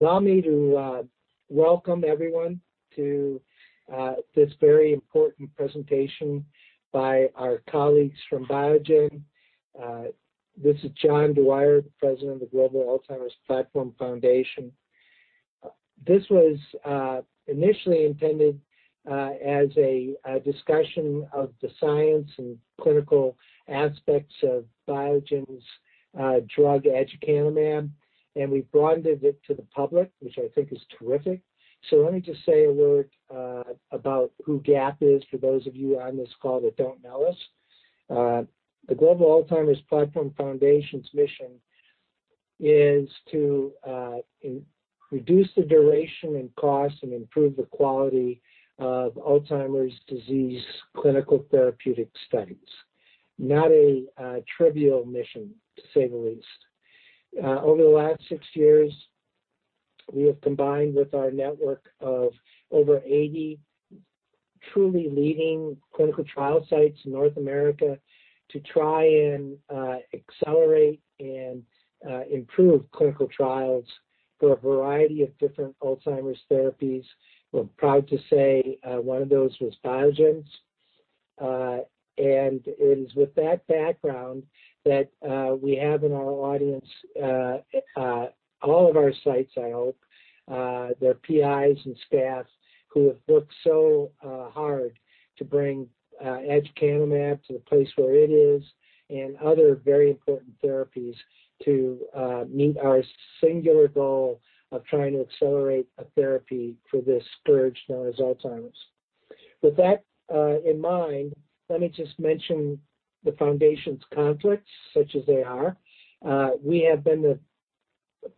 Allow me to welcome everyone to this very important presentation by our colleagues from Biogen. This is John Dwyer, president of the Global Alzheimer's Platform Foundation. This was initially intended as a discussion of the science and clinical aspects of Biogen's drug, aducanumab. We've broadened it to the public, which I think is terrific. Let me just say a word about who GAP is for those of you on this call that don't know us. The Global Alzheimer's Platform Foundation's mission is to reduce the duration and cost and improve the quality of Alzheimer's disease clinical therapeutic studies. Not a trivial mission, to say the least. Over the last six years, we have combined with our network of over 80 truly leading clinical trial sites in North America to try and accelerate and improve clinical trials for a variety of different Alzheimer's therapies. We're proud to say one of those was Biogen's. It is with that background that we have in our audience all of our sites, I hope, their PIs and staff who have worked so hard to bring aducanumab to the place where it is and other very important therapies to meet our singular goal of trying to accelerate a therapy for this scourge known as Alzheimer's. With that in mind, let me just mention the foundation's conflicts, such as they are. We have been the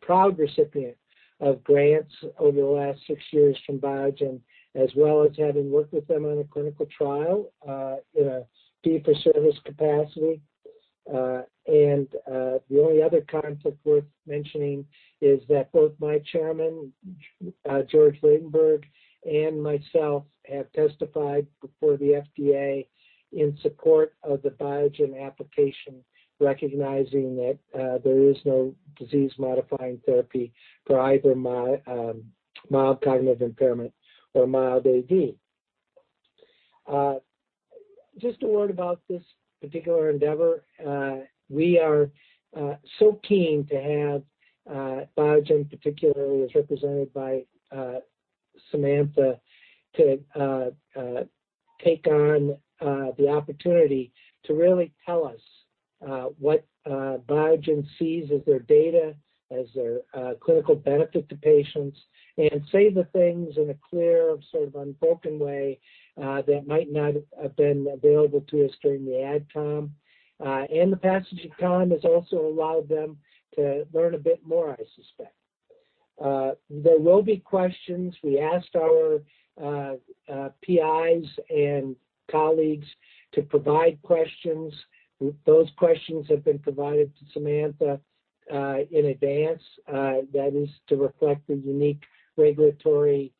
proud recipient of grants over the last six years from Biogen, as well as having worked with them on a clinical trial in a fee-for-service capacity. The only other conflict worth mentioning is that both my chairman, George Vradenburg, and myself have testified before the FDA in support of the Biogen application, recognizing that there is no disease-modifying therapy for either mild cognitive impairment or mild AD. Just a word about this particular endeavor. We are so keen to have Biogen particularly, as represented by Samantha, to take on the opportunity to really tell us what Biogen sees as their data, as their clinical benefit to patients, and say the things in a clear, unbroken way that might not have been available to us during the ad com. The passage of time has also allowed them to learn a bit more, I suspect. There will be questions. We asked our PIs and colleagues to provide questions. Those questions have been provided to Samantha in advance. That is to reflect the unique regulatory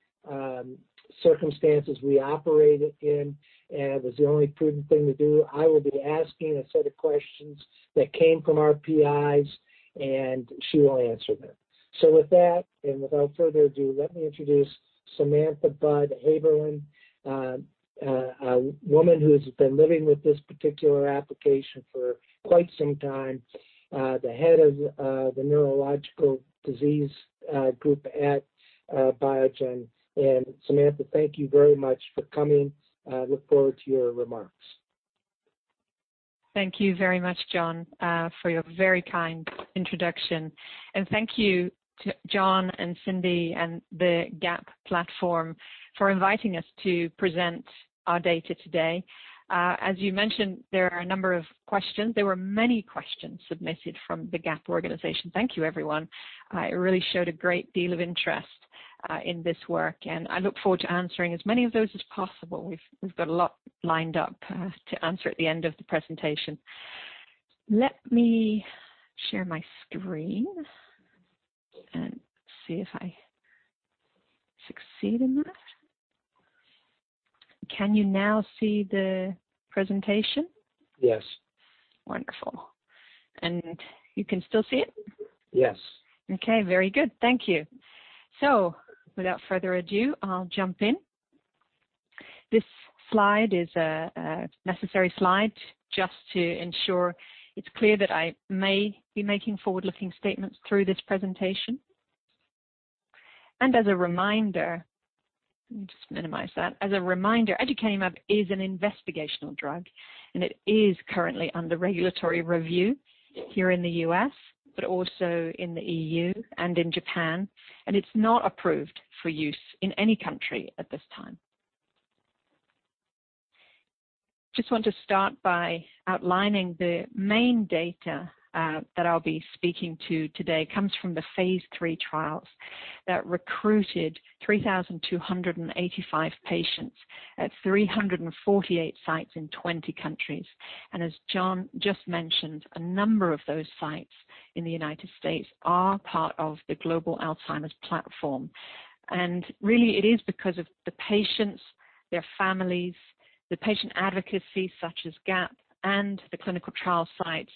circumstances we operate in, and it was the only prudent thing to do. I will be asking a set of questions that came from our PIs, and she will answer them. With that, and without further ado, let me introduce Samantha Budd Haeberlein, a woman who has been living with this particular application for quite some time, the Head of the Neurological Disease Group at Biogen. Samantha, thank you very much for coming. I look forward to your remarks. Thank you very much, John, for your very kind introduction. Thank you to John and Cindy and the GAP Foundation for inviting us to present our data today. As you mentioned, there are a number of questions. There were many questions submitted from the GAP organization. Thank you, everyone. It really showed a great deal of interest in this work, and I look forward to answering as many of those as possible. We've got a lot lined up to answer at the end of the presentation. Let me share my screen and see if I succeed in that. Can you now see the presentation? Yes. Wonderful. You can still see it? Yes. Okay, very good. Thank you. Without further ado, I'll jump in. This slide is a necessary slide just to ensure it's clear that I may be making forward-looking statements through this presentation. As a reminder, let me just minimize that. As a reminder, aducanumab is an investigational drug, and it is currently under regulatory review here in the U.S., but also in the EU and in Japan, and it's not approved for use in any country at this time. Just want to start by outlining the main data that I'll be speaking to today comes from the phase III trials that recruited 3,285 patients at 348 sites in 20 countries. As John just mentioned, a number of those sites in the United States are part of the Global Alzheimer's Platform. Really it is because of the patients. Their families, the patient advocacy such as GAP, and the clinical trial sites.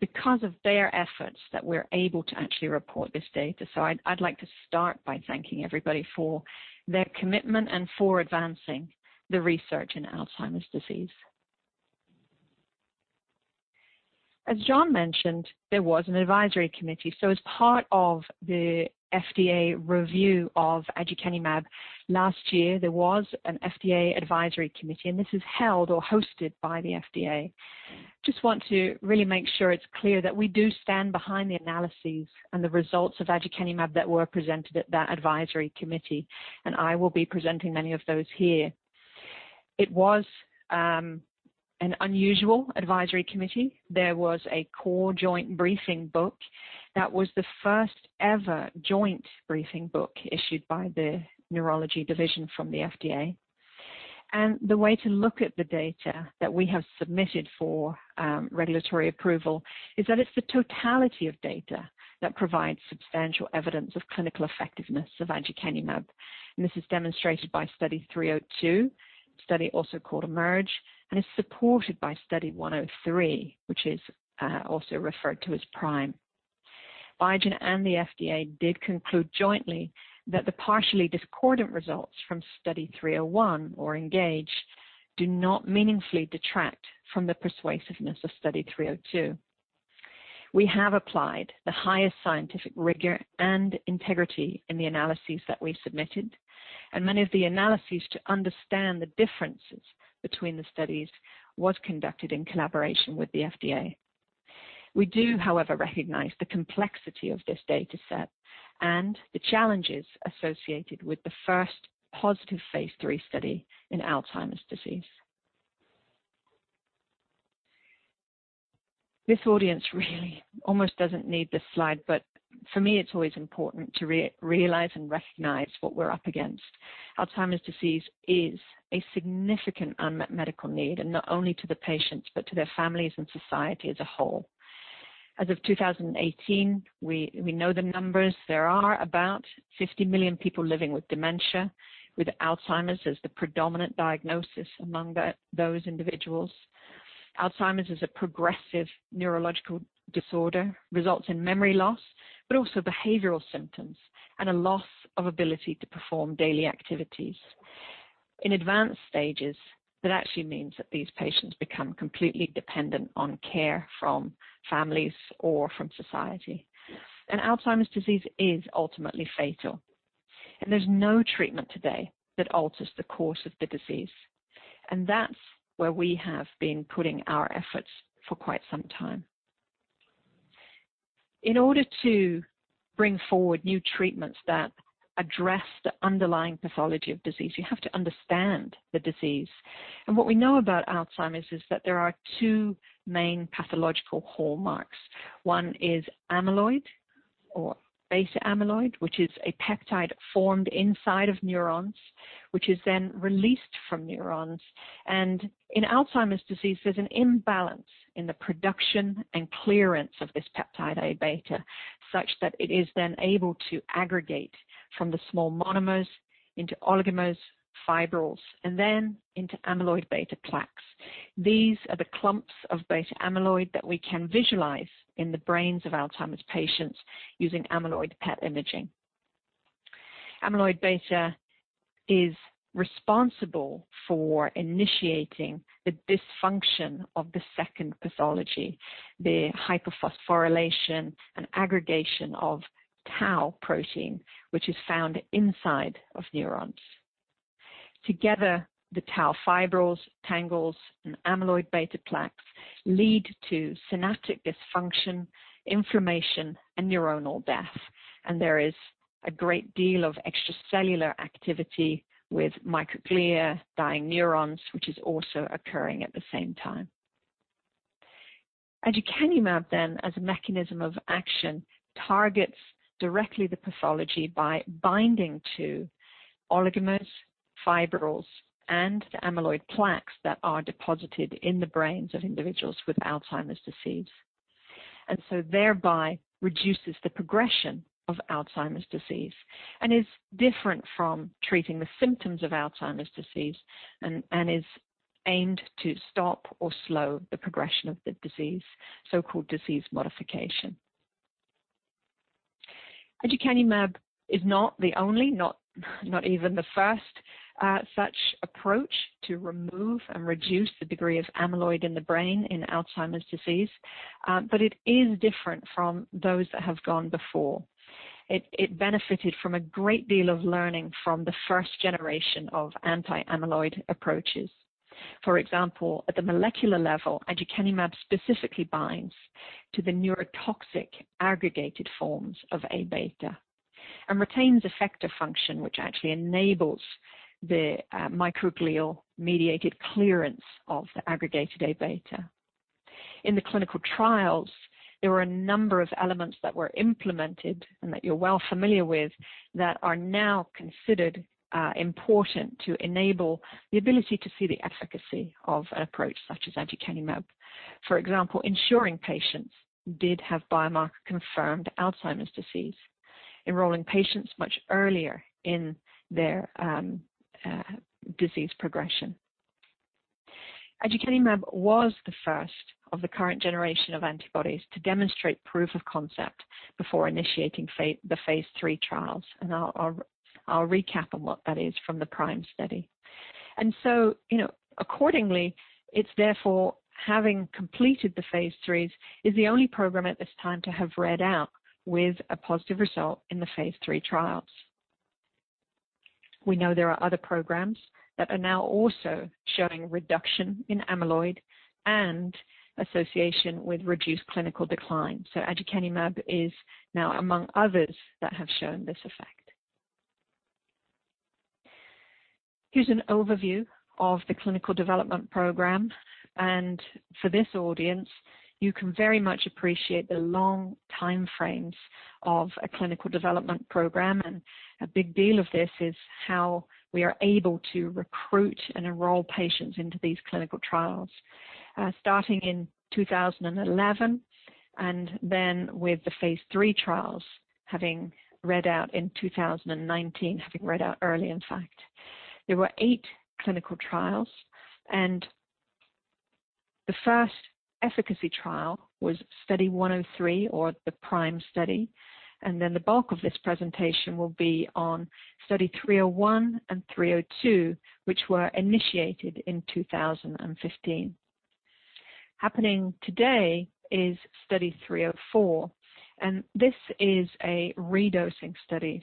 Because of their efforts that we're able to actually report this data. I'd like to start by thanking everybody for their commitment and for advancing the research in Alzheimer's disease. As John mentioned, there was an advisory committee. As part of the FDA review of aducanumab last year, there was an FDA advisory committee, and this is held or hosted by the FDA. I just want to really make sure it's clear that we do stand behind the analyses and the results of aducanumab that were presented at that advisory committee, and I will be presenting many of those here. It was an unusual advisory committee. There was a core joint briefing book that was the first ever joint briefing book issued by the neurology division from the FDA. The way to look at the data that we have submitted for regulatory approval is that it's the totality of data that provides substantial evidence of clinical effectiveness of aducanumab. This is demonstrated by Study 302, study also called EMERGE, and is supported by Study 103, which is also referred to as PRIME. Biogen and the FDA did conclude jointly that the partially discordant results from Study 301, or ENGAGE, do not meaningfully detract from the persuasiveness of Study 302. We have applied the highest scientific rigor and integrity in the analyses that we've submitted. Many of the analyses to understand the differences between the studies was conducted in collaboration with the FDA. We do, however, recognize the complexity of this data set and the challenges associated with the first positive Phase III study in Alzheimer's disease. This audience really almost doesn't need this slide, but for me, it's always important to realize and recognize what we're up against. Alzheimer's disease is a significant unmet medical need, not only to the patients, but to their families and society as a whole. As of 2018, we know the numbers. There are about 50 million people living with dementia, with Alzheimer's as the predominant diagnosis among those individuals. Alzheimer's is a progressive neurological disorder, results in memory loss, but also behavioral symptoms and a loss of ability to perform daily activities. In advanced stages, that actually means that these patients become completely dependent on care from families or from society. Alzheimer's disease is ultimately fatal. There's no treatment today that alters the course of the disease. That's where we have been putting our efforts for quite some time. In order to bring forward new treatments that address the underlying pathology of disease, you have to understand the disease. What we know about Alzheimer's is that there are two main pathological hallmarks. One is amyloid or beta-amyloid, which is a peptide formed inside of neurons, which is then released from neurons. In Alzheimer's disease, there's an imbalance in the production and clearance of this peptide Aβ, such that it is then able to aggregate from the small monomers into oligomers, fibrils, and then into amyloid beta plaques. These are the clumps of beta-amyloid that we can visualize in the brains of Alzheimer's patients using amyloid PET imaging. Amyloid beta is responsible for initiating the dysfunction of the second pathology, the hyperphosphorylation and aggregation of tau protein, which is found inside of neurons. Together, the tau fibrils, tangles, and amyloid beta plaques lead to synaptic dysfunction, inflammation, and neuronal death. There is a great deal of extracellular activity with microglia, dying neurons, which is also occurring at the same time. aducanumab, as a mechanism of action, targets directly the pathology by binding to oligomers, fibrils, and the amyloid plaques that are deposited in the brains of individuals with Alzheimer's disease. Thereby reduces the progression of Alzheimer's disease and is different from treating the symptoms of Alzheimer's disease and is aimed to stop or slow the progression of the disease, so-called disease modification. aducanumab is not the only, not even the first such approach to remove and reduce the degree of amyloid in the brain in Alzheimer's disease, but it is different from those that have gone before. It benefited from a great deal of learning from the first generation of anti-amyloid approaches. For example, at the molecular level, Aducanumab specifically binds to the neurotoxic aggregated forms of Aβ and retains effector function, which actually enables the microglial-mediated clearance of the aggregated Aβ. In the clinical trials, there were a number of elements that were implemented and that you're well familiar with that are now considered important to enable the ability to see the efficacy of an approach such as Aducanumab. For example, ensuring patients did have biomarker-confirmed Alzheimer's disease. Enrolling patients much earlier in their disease progression. Aducanumab was the first of the current generation of antibodies to demonstrate proof of concept before initiating the phase III trials, and I'll recap on what that is from the PRIME study. Accordingly, it's therefore, having completed the phase III, is the only program at this time to have read out with a positive result in the phase III trials. We know there are other programs that are now also showing reduction in amyloid and association with reduced clinical decline. Aducanumab is now among others that have shown this effect. Here's an overview of the clinical development program, and for this audience, you can very much appreciate the long timeframes of a clinical development program. A big deal of this is how we are able to recruit and enroll patients into these clinical trials. Starting in 2011 and then with the phase III trials having read out in 2019, having read out early in fact. There were eight clinical trials, and the first efficacy trial was Study 103 or the PRIME study, and then the bulk of this presentation will be on Study 301 and 302, which were initiated in 2015. Happening today is Study 304, and this is a redosing study.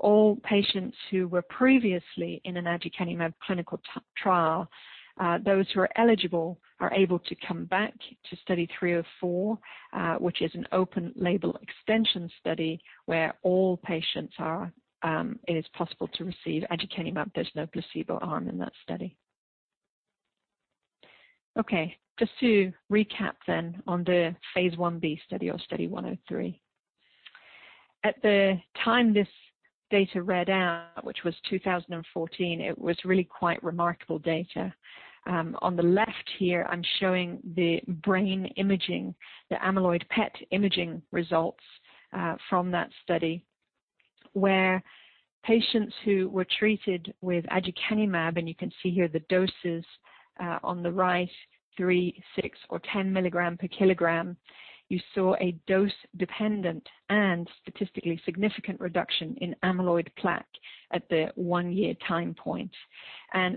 All patients who were previously in an aducanumab clinical trial, those who are eligible are able to come back to Study 304, which is an open label extension study where all patients it is possible to receive aducanumab. There's no placebo arm in that study. Just to recap then on the phase I-B study or Study 103. At the time this data read out, which was 2014, it was really quite remarkable data. On the left here, I'm showing the brain imaging, the amyloid PET imaging results from that study where patients who were treated with aducanumab, and you can see here the doses on the right, three, six, or 10 milligram per kilogram. You saw a dose dependent and statistically significant reduction in amyloid plaque at the one-year time point.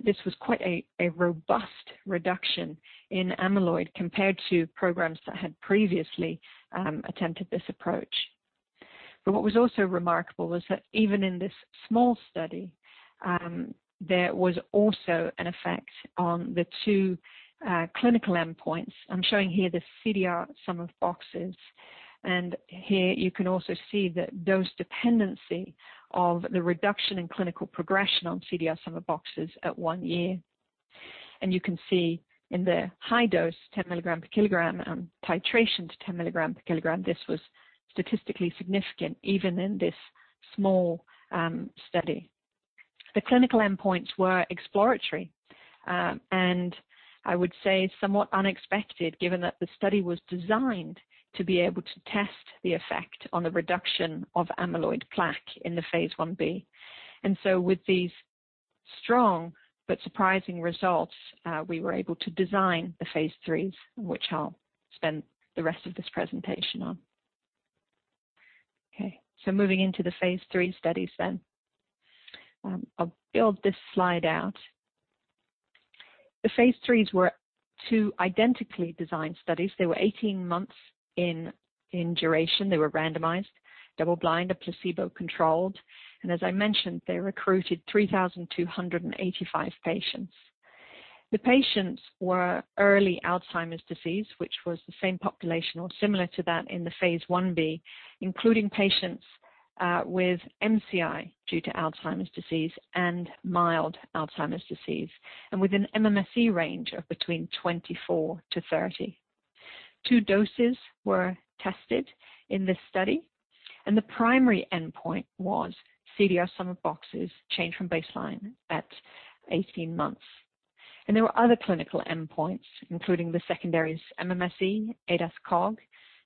This was quite a robust reduction in amyloid compared to programs that had previously attempted this approach. What was also remarkable was that even in this small study, there was also an effect on the two clinical endpoints. I'm showing here the CDR sum of boxes, and here you can also see the dose dependency of the reduction in clinical progression on CDR sum of boxes at one year. You can see in the high dose, 10 mg per kilogram and titration to 10 mg per kilogram, this was statistically significant even in this small study. The clinical endpoints were exploratory. I would say somewhat unexpected given that the study was designed to be able to test the effect on the reduction of amyloid plaque in the phase I-B. With these strong but surprising results, we were able to design the phase IIIs, which I'll spend the rest of this presentation on. Moving into the phase III studies then. I'll build this slide out. The phase IIIs were two identically designed studies. They were 18 months in duration. They were randomized, double-blind, and placebo-controlled. As I mentioned, they recruited 3,285 patients. The patients were early Alzheimer's disease, which was the same population or similar to that in the phase I-B, including patients with MCI due to Alzheimer's disease and mild Alzheimer's disease, and with an MMSE range of between 24-30. Two doses were tested in this study, the primary endpoint was CDR-SB change from baseline at 18 months. There were other clinical endpoints, including the secondaries MMSE, ADAS-Cog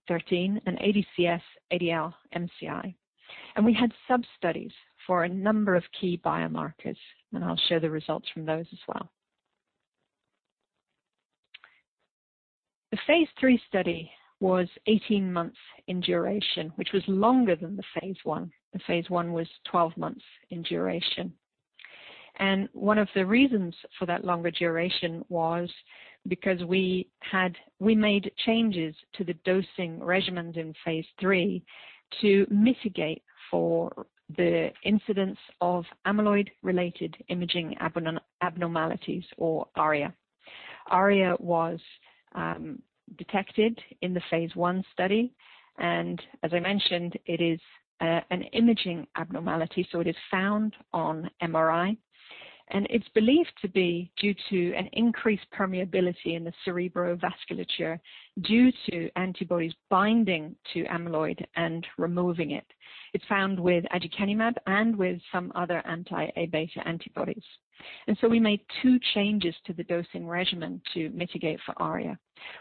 13, and ADCS-ADL-MCI. We had sub-studies for a number of key biomarkers, I'll share the results from those as well. The phase III study was 18 months in duration, which was longer than the phase I. The phase I was 12 months in duration. One of the reasons for that longer duration was because we made changes to the dosing regimen in phase III to mitigate for the incidence of amyloid-related imaging abnormalities or ARIA. ARIA was detected in the phase I study and as I mentioned, it is an imaging abnormality, so it is found on MRI. It's believed to be due to an increased permeability in the cerebral vasculature due to antibodies binding to amyloid and removing it. It's found with aducanumab and with some other anti-Aβ antibodies. We made two changes to the dosing regimen to mitigate for ARIA.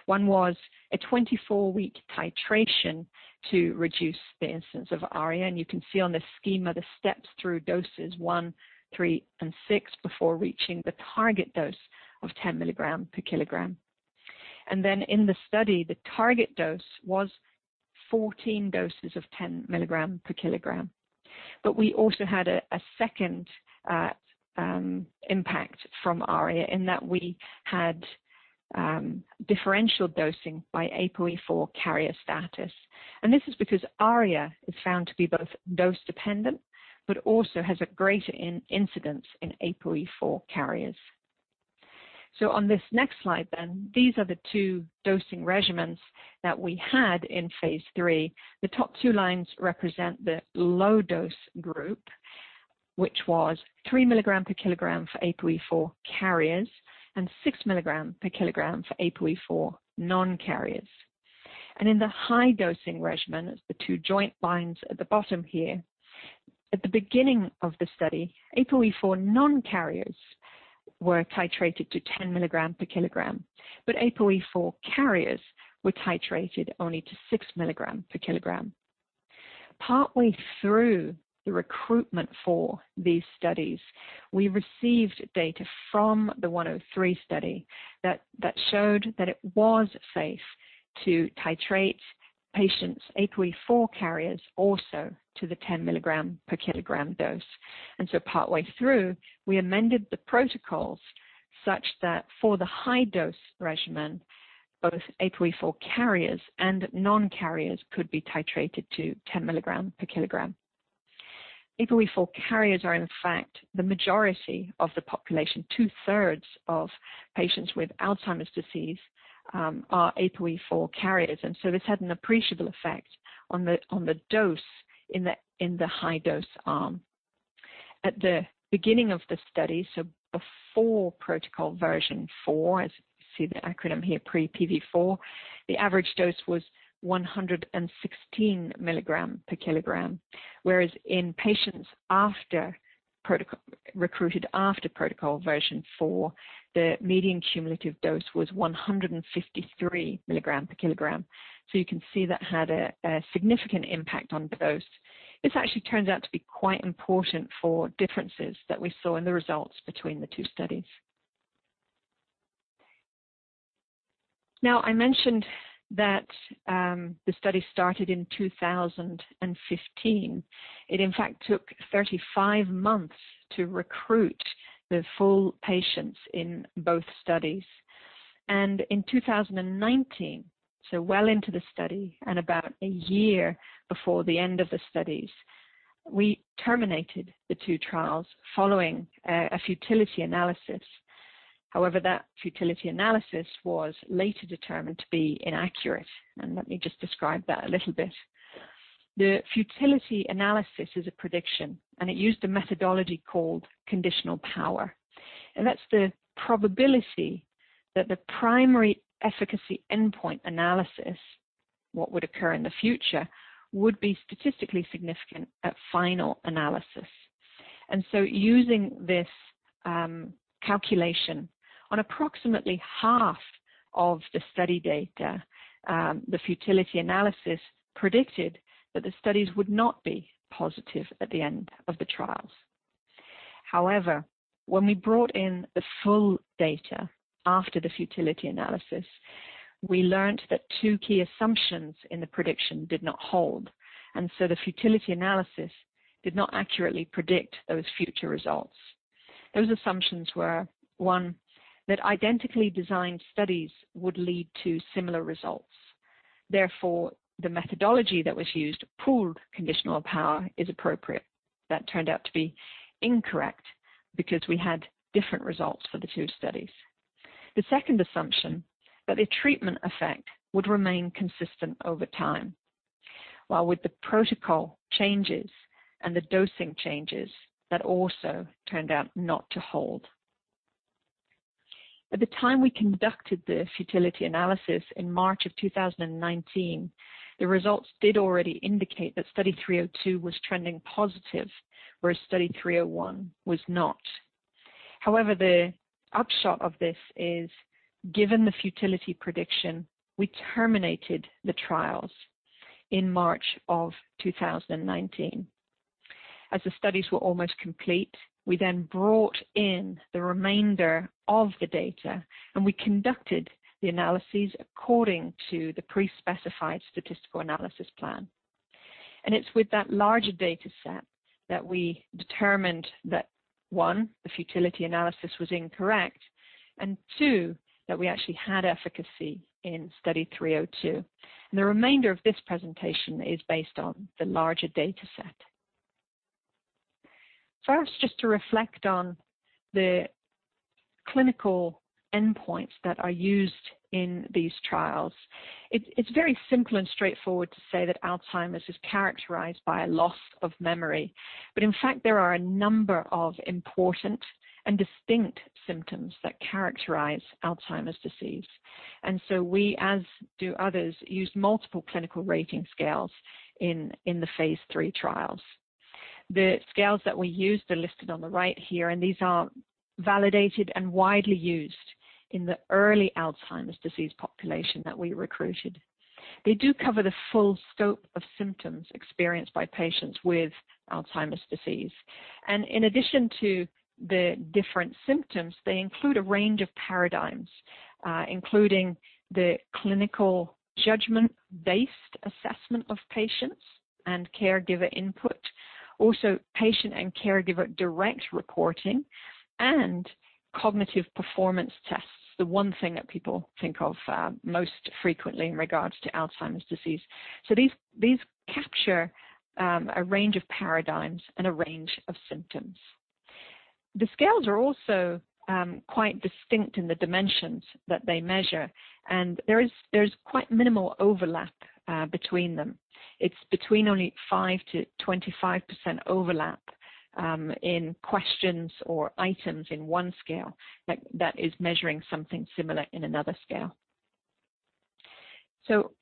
One was a 24-week titration to reduce the instance of ARIA, and you can see on this schema, the steps through doses one, three, and six before reaching the target dose of 10 mg/kg. Then in the study, the target dose was 14 doses of 10 milligram per kilogram. We also had a second impact from ARIA in that we had differential dosing by APOE4 carrier status. This is because ARIA is found to be both dose-dependent but also has a greater incidence in APOE4 carriers. On this next slide then, these are the two dosing regimens that we had in phase III. The top two lines represent the low dose group, which was 3 milligram per kilogram for APOE4 carriers and 6 milligram per kilogram for APOE4 non-carriers. In the high dosing regimen, the two joint lines at the bottom here, at the beginning of the study, APOE4 non-carriers were titrated to 10 milligram per kilogram, but APOE4 carriers were titrated only to 6 milligram per kilogram. Partway through the recruitment for these studies, we received data from the 103 study that showed that it was safe to titrate patients' APOE4 carriers also to the 10 milligram per kilogram dose. Partway through, we amended the protocols such that for the high dose regimen, both APOE4 carriers and non-carriers could be titrated to 10 milligram per kilogram. APOE4 carriers are, in fact, the majority of the population. Two-thirds of patients with Alzheimer's disease are APOE4 carriers, and so this had an appreciable effect on the dose in the high dose arm. At the beginning of the study, so before protocol version four, as you see the acronym here, pre PV4, the average dose was 116 milligram per kilogram, whereas in patients recruited after protocol version four, the median cumulative dose was 153 milligram per kilogram. You can see that had a significant impact on the dose. This actually turns out to be quite important for differences that we saw in the results between the two studies. I mentioned that the study started in 2015. It, in fact, took 35 months to recruit the full patients in both studies. In 2019, so well into the study and about a year before the end of the studies, we terminated the two trials following a futility analysis. That futility analysis was later determined to be inaccurate, and let me just describe that a little bit. The futility analysis is a prediction, and it used a methodology called conditional power, and that's the probability that the primary efficacy endpoint analysis, what would occur in the future, would be statistically significant at final analysis. Using this calculation on approximately half of the study data, the futility analysis predicted that the studies would not be positive at the end of the trials. However, when we brought in the full data after the futility analysis, we learned that two key assumptions in the prediction did not hold, the futility analysis did not accurately predict those future results. Those assumptions were, one, that identically designed studies would lead to similar results. Therefore, the methodology that was used, pooled conditional power, is appropriate. That turned out to be incorrect because we had different results for the two studies. The second assumption, that a treatment effect would remain consistent over time, while with the protocol changes and the dosing changes, that also turned out not to hold. At the time we conducted the futility analysis in March of 2019, the results did already indicate that Study 302 was trending positive, whereas Study 301 was not. However, the upshot of this is, given the futility prediction, we terminated the trials in March of 2019. As the studies were almost complete, we then brought in the remainder of the data, and we conducted the analyses according to the pre-specified statistical analysis plan. It's with that larger data set that we determined that, one, the futility analysis was incorrect, and two, that we actually had efficacy in Study 302. The remainder of this presentation is based on the larger data set. First, just to reflect on the clinical endpoints that are used in these trials. It's very simple and straightforward to say that Alzheimer's is characterized by a loss of memory. There are a number of important and distinct symptoms that characterize Alzheimer's disease. We, as do others, used multiple clinical rating scales in the phase III trials. The scales that we use are listed on the right here, and these are validated and widely used in the early Alzheimer's disease population that we recruited. They do cover the full scope of symptoms experienced by patients with Alzheimer's disease. In addition to the different symptoms, they include a range of paradigms, including the clinical judgment-based assessment of patients and caregiver input, also patient and caregiver direct reporting and cognitive performance tests, the one thing that people think of most frequently in regards to Alzheimer's disease. These capture a range of paradigms and a range of symptoms. The scales are also quite distinct in the dimensions that they measure, and there's quite minimal overlap between them. It's between only 5%-25% overlap in questions or items in one scale that is measuring something similar in another scale.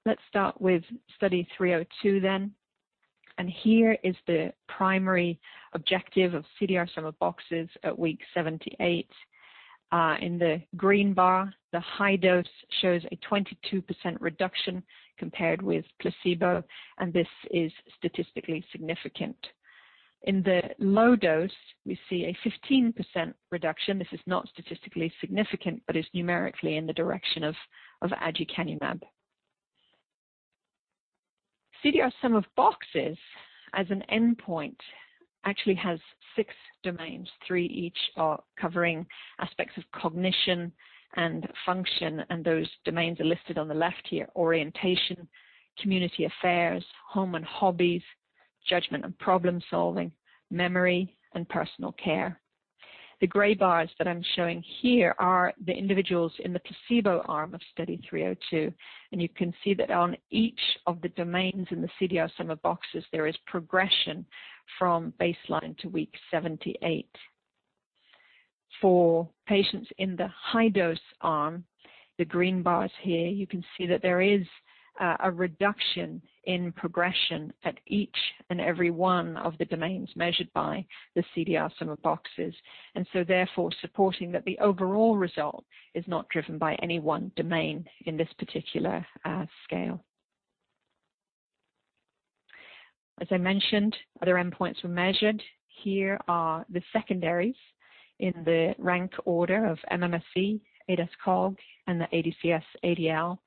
Let's start with Study 302 then. Here is the primary objective of CDR Sum of Boxes at week 78. In the green bar, the high dose shows a 22% reduction compared with placebo, and this is statistically significant. In the low dose, we see a 15% reduction. This is not statistically significant, but is numerically in the direction of aducanumab. CDR Sum of Boxes as an endpoint actually has 6 domains. Three each are covering aspects of cognition and function, those domains are listed on the left here, orientation, community affairs, home and hobbies, judgment and problem-solving, memory, and personal care. The gray bars that I'm showing here are the individuals in the placebo arm of Study 302, and you can see that on each of the domains in the CDR Sum of Boxes, there is progression from baseline to week 78. For patients in the high-dose arm, the green bars here, you can see that there is a reduction in progression at each and every one of the domains measured by the CDR Sum of Boxes, and so therefore supporting that the overall result is not driven by any one domain in this particular scale. As I mentioned, other endpoints were measured. Here are the secondaries in the rank order of MMSE, ADAS-Cog, and the ADCS-ADL,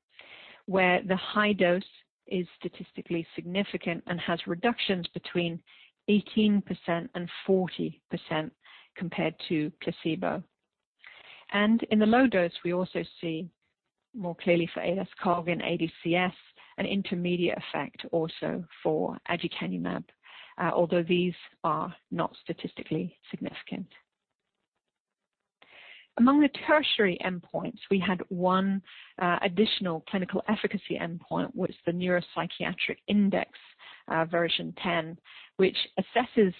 where the high dose is statistically significant and has reductions between 18%-40% compared to placebo. In the low dose, we also see more clearly for ADAS-Cog and ADCS, an intermediate effect also for aducanumab, although these are not statistically significant. Among the tertiary endpoints, we had one additional clinical efficacy endpoint, was the Neuropsychiatric Inventory version 10, which assesses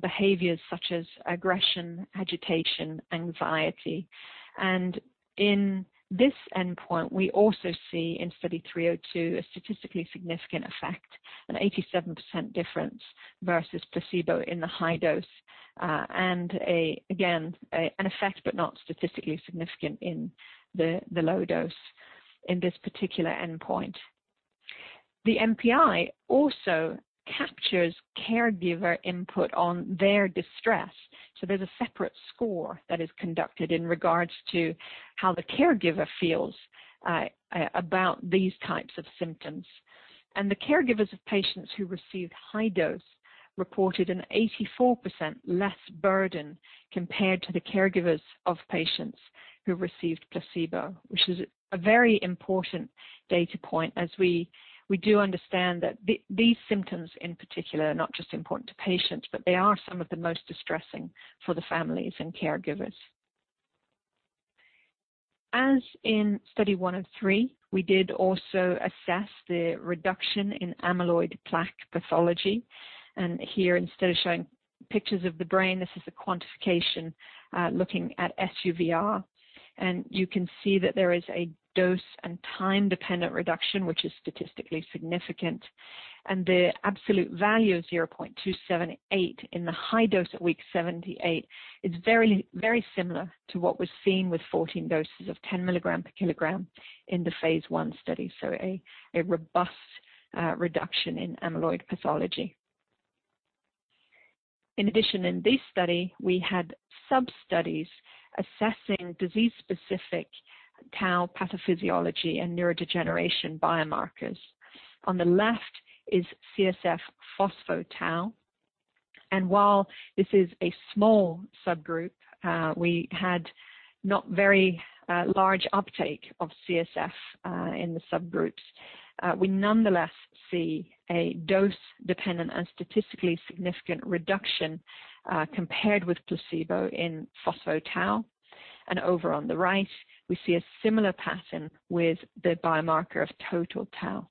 behaviors such as aggression, agitation, anxiety. In this endpoint, we also see in Study 302 a statistically significant effect, an 87% difference versus placebo in the high dose, and again, an effect but not statistically significant in the low dose in this particular endpoint. The NPI also captures caregiver input on their distress. There's a separate score that is conducted in regards to how the caregiver feels about these types of symptoms. The caregivers of patients who received high dose reported an 84% less burden compared to the caregivers of patients who received placebo, which is a very important data point as we do understand that these symptoms in particular are not just important to patients, but they are some of the most distressing for the families and caregivers. As in Study 103, we did also assess the reduction in amyloid plaque pathology. Here, instead of showing pictures of the brain, this is a quantification, looking at SUVR. You can see that there is a dose and time-dependent reduction, which is statistically significant. The absolute value of 0.278 in the high dose at week 78 is very similar to what was seen with 14 doses of 10 milligram per kilogram in the phase I study. A robust reduction in amyloid pathology. In this study, we had sub-studies assessing disease-specific tau pathophysiology and neurodegeneration biomarkers. On the left is CSF phospho-tau. While this is a small subgroup, we had not very large uptake of CSF in the subgroups. We nonetheless see a dose-dependent and statistically significant reduction compared with placebo in phospho-tau. Over on the right, we see a similar pattern with the biomarker of total tau.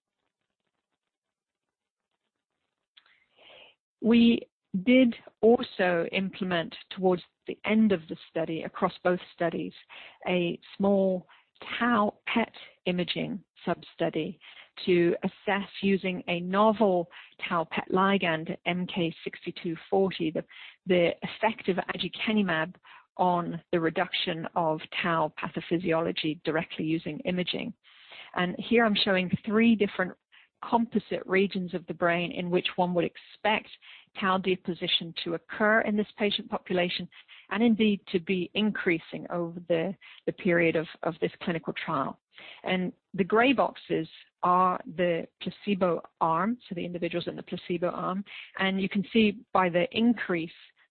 We did also implement towards the end of the study across both studies, a small tau PET imaging substudy to assess using a novel tau PET ligand, MK-6240, the effect of aducanumab on the reduction of tau pathophysiology directly using imaging. Here I'm showing three different composite regions of the brain in which one would expect tau deposition to occur in this patient population, and indeed to be increasing over the period of this clinical trial. The gray boxes are the placebo arm, so the individuals in the placebo arm. You can see by the increase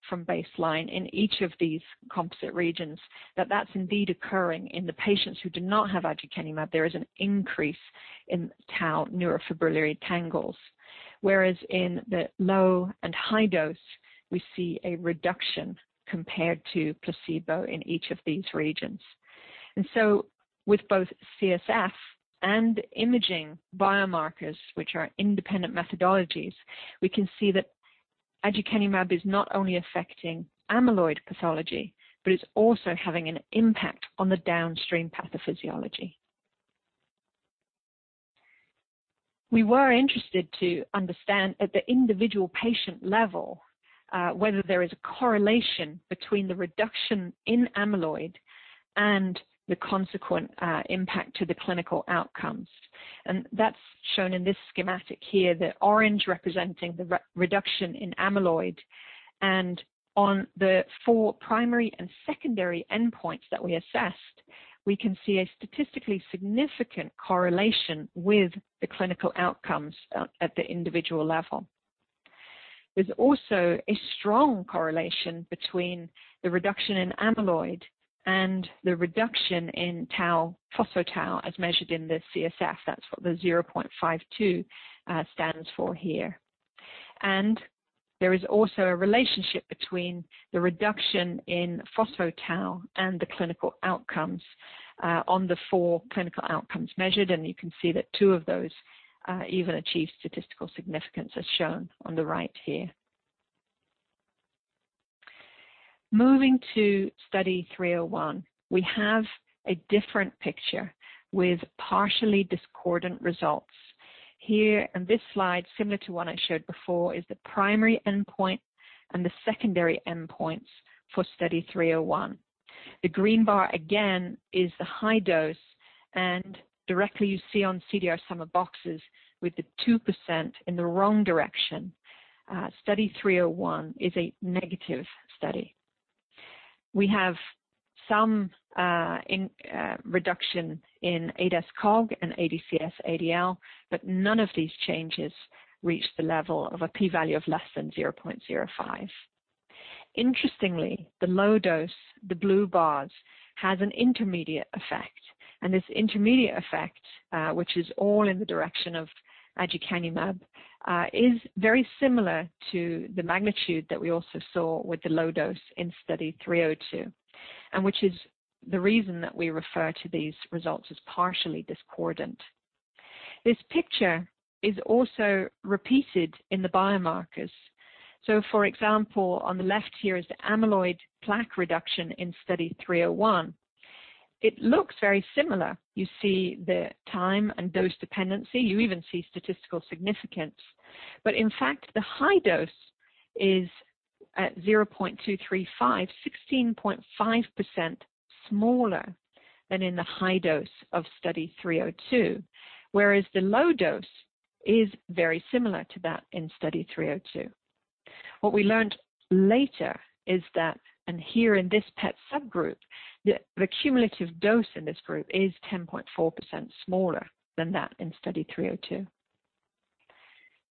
from baseline in each of these composite regions that that's indeed occurring in the patients who do not have aducanumab. There is an increase in tau neurofibrillary tangles. Whereas in the low and high dose, we see a reduction compared to placebo in each of these regions. With both CSF and imaging biomarkers, which are independent methodologies, we can see that aducanumab is not only affecting amyloid pathology, but it's also having an impact on the downstream pathophysiology. We were interested to understand at the individual patient level, whether there is a correlation between the reduction in amyloid and the consequent impact to the clinical outcomes. That's shown in this schematic here, the orange representing the reduction in amyloid. On the four primary and secondary endpoints that we assessed, we can see a statistically significant correlation with the clinical outcomes at the individual level. There's also a strong correlation between the reduction in amyloid and the reduction in phospho-tau as measured in the CSF. That's what the 0.52 stands for here. There is also a relationship between the reduction in phospho-tau and the clinical outcomes on the four clinical outcomes measured, and you can see that two of those even achieve statistical significance, as shown on the right here. Moving to Study 301, we have a different picture with partially discordant results. Here in this slide, similar to one I showed before, is the primary endpoint and the secondary endpoints for Study 301. The green bar again is the high dose and directly you see on CDR-SB with the 2% in the wrong direction. Study 301 is a negative study. We have some reduction in ADAS-Cog and ADCS-ADL, but none of these changes reach the level of a p-value of less than 0.05. Interestingly, the low dose, the blue bars, has an intermediate effect. This intermediate effect, which is all in the direction of aducanumab, is very similar to the magnitude that we also saw with the low dose in Study 302, and which is the reason that we refer to these results as partially discordant. This picture is also repeated in the biomarkers. For example, on the left here is the amyloid plaque reduction in Study 301. It looks very similar. You see the time and dose dependency. You even see statistical significance. In fact, the high dose is at 0.235, 16.5% smaller than in the high dose of Study 302, whereas the low dose is very similar to that in Study 302. What we learned later is that, and here in this PET subgroup, the cumulative dose in this group is 10.4% smaller than that in Study 302.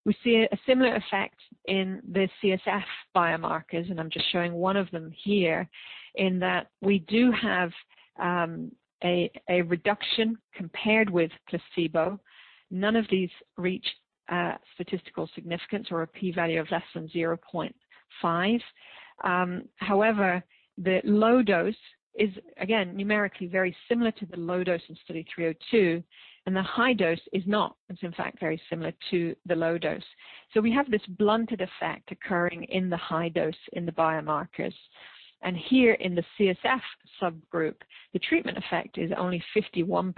We see a similar effect in the CSF biomarkers, and I'm just showing one of them here in that we do have a reduction compared with placebo. None of these reach statistical significance or a p-value of less than 0.5. The low dose is again numerically very similar to the low dose in Study 302, and the high dose is not. It's in fact very similar to the low dose. We have this blunted effect occurring in the high dose in the biomarkers. Here in the CSF subgroup, the treatment effect is only 51%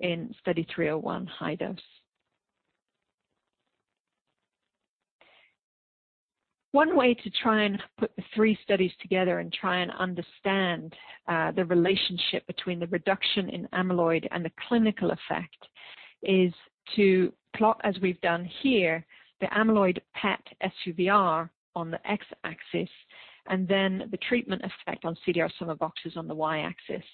in Study 301 high dose. One way to try and put the three studies together and try and understand the relationship between the reduction in amyloid and the clinical effect is to plot, as we've done here, the amyloid PET SUVR on the x-axis and then the treatment effect on CDR Sum of Boxes on the y-axis.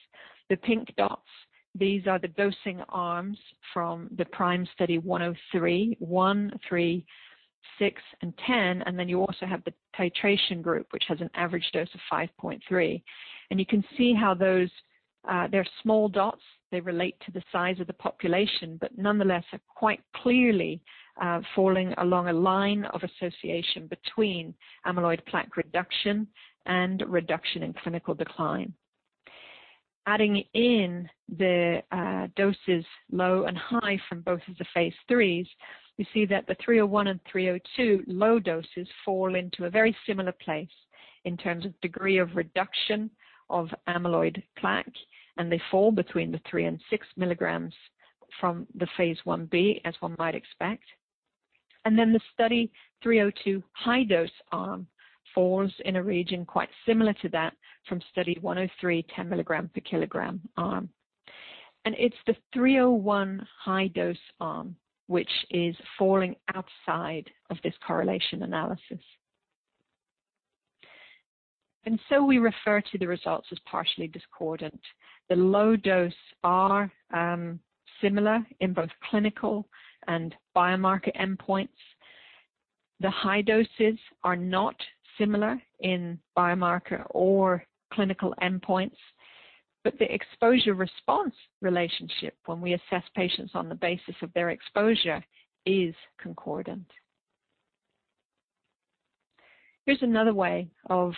The pink dots, these are the dosing arms from the PRIME Study 103, one, three, six and 10. Then you also have the titration group, which has an average dose of 5.3. You can see how they're small dots. They relate to the size of the population, but nonetheless are quite clearly falling along a line of association between amyloid plaque reduction and reduction in clinical decline. Adding in the doses low and high from both of the phase III, we see that the 301 and 302 low doses fall into a very similar place in terms of degree of reduction of amyloid plaque, and they fall between the three and six milligrams from the phase I-B, as one might expect. The Study 302 high-dose arm falls in a region quite similar to that from Study 103, 10 milligram per kilogram arm. It's the 301 high-dose arm which is falling outside of this correlation analysis. We refer to the results as partially discordant. The low dose are similar in both clinical and biomarker endpoints. The high doses are not similar in biomarker or clinical endpoints, but the exposure-response relationship when we assess patients on the basis of their exposure is concordant. Here's another way of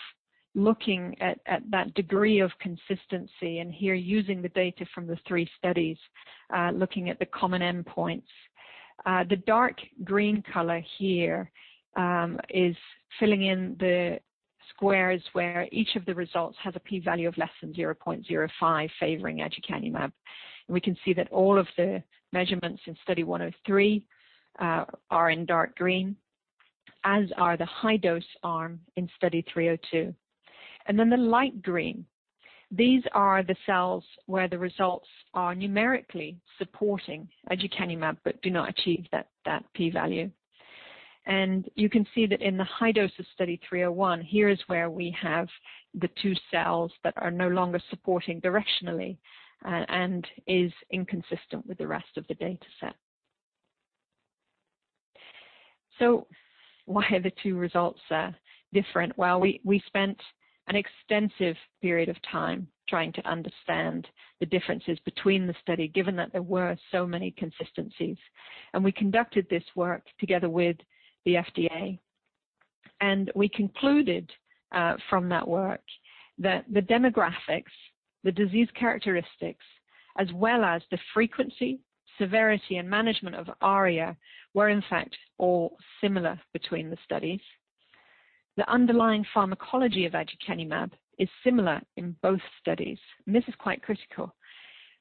looking at that degree of consistency, here using the data from the three studies, looking at the common endpoints. The dark green color here is filling in the squares where each of the results has a p-value of less than 0.05 favoring aducanumab. We can see that all of the measurements in Study 103 are in dark green, as are the high-dose arm in Study 302. The light green, these are the cells where the results are numerically supporting aducanumab but do not achieve that p-value. You can see that in the high doses Study 301, here is where we have the two cells that are no longer supporting directionally and is inconsistent with the rest of the dataset. Why are the two results different? We spent an extensive period of time trying to understand the differences between the studies, given that there were so many consistencies. We conducted this work together with the FDA. We concluded from that work that the demographics, the disease characteristics, as well as the frequency, severity, and management of ARIA were in fact all similar between the studies. The underlying pharmacology of aducanumab is similar in both studies, and this is quite critical,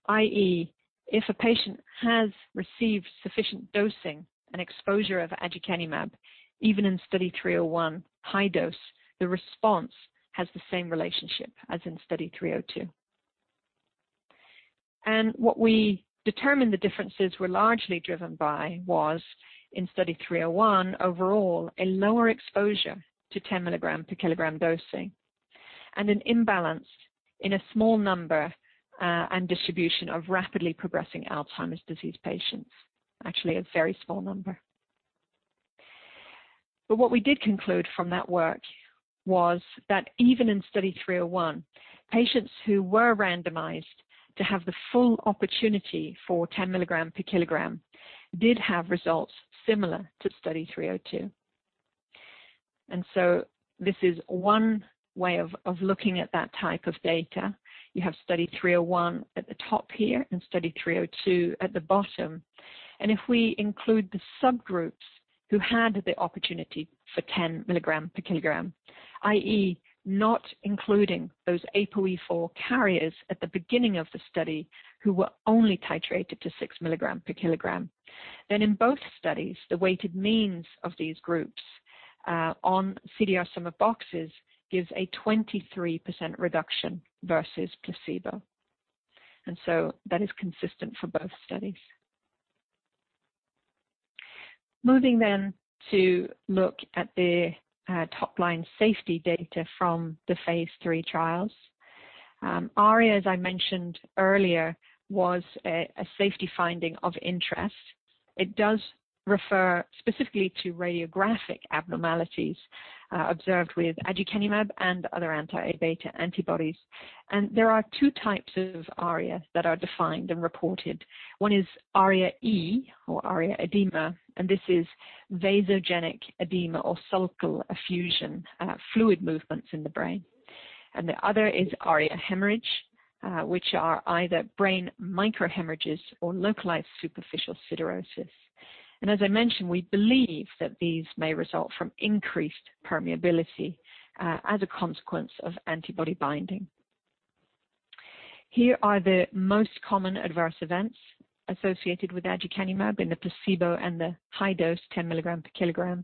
i.e., if a patient has received sufficient dosing and exposure of aducanumab, even in Study 301 high dose, the response has the same relationship as in Study 302. What we determined the differences were largely driven by was in Study 301 overall, a lower exposure to 10 milligram per kilogram dosing, and an imbalance in a small number and distribution of rapidly progressing Alzheimer's disease patients. Actually, a very small number. What we did conclude from that work was that even in Study 301, patients who were randomized to have the full opportunity for 10 milligram per kilogram did have results similar to Study 302. This is one way of looking at that type of data. You have Study 301 at the top here and Study 302 at the bottom. If we include the subgroups who had the opportunity for 10 milligram per kilogram, i.e., not including those APOE4 carriers at the beginning of the study who were only titrated to 6 milligram per kilogram, in both studies, the weighted means of these groups on CDR Sum of Boxes gives a 23% reduction versus placebo. That is consistent for both studies. Moving to look at the top-line safety data from the phase III trials. ARIA, as I mentioned earlier, was a safety finding of interest. It does refer specifically to radiographic abnormalities observed with aducanumab and other anti-Aβ antibodies. There are two types of ARIA that are defined and reported. One is ARIA-E or ARIA edema, and this is vasogenic edema or sulcal effusion, fluid movements in the brain. The other is ARIA hemorrhage, which are either brain microhemorrhages or localized superficial siderosis. As I mentioned, we believe that these may result from increased permeability as a consequence of antibody binding. Here are the most common adverse events associated with aducanumab in the placebo and the high dose, 10 milligram per kilogram.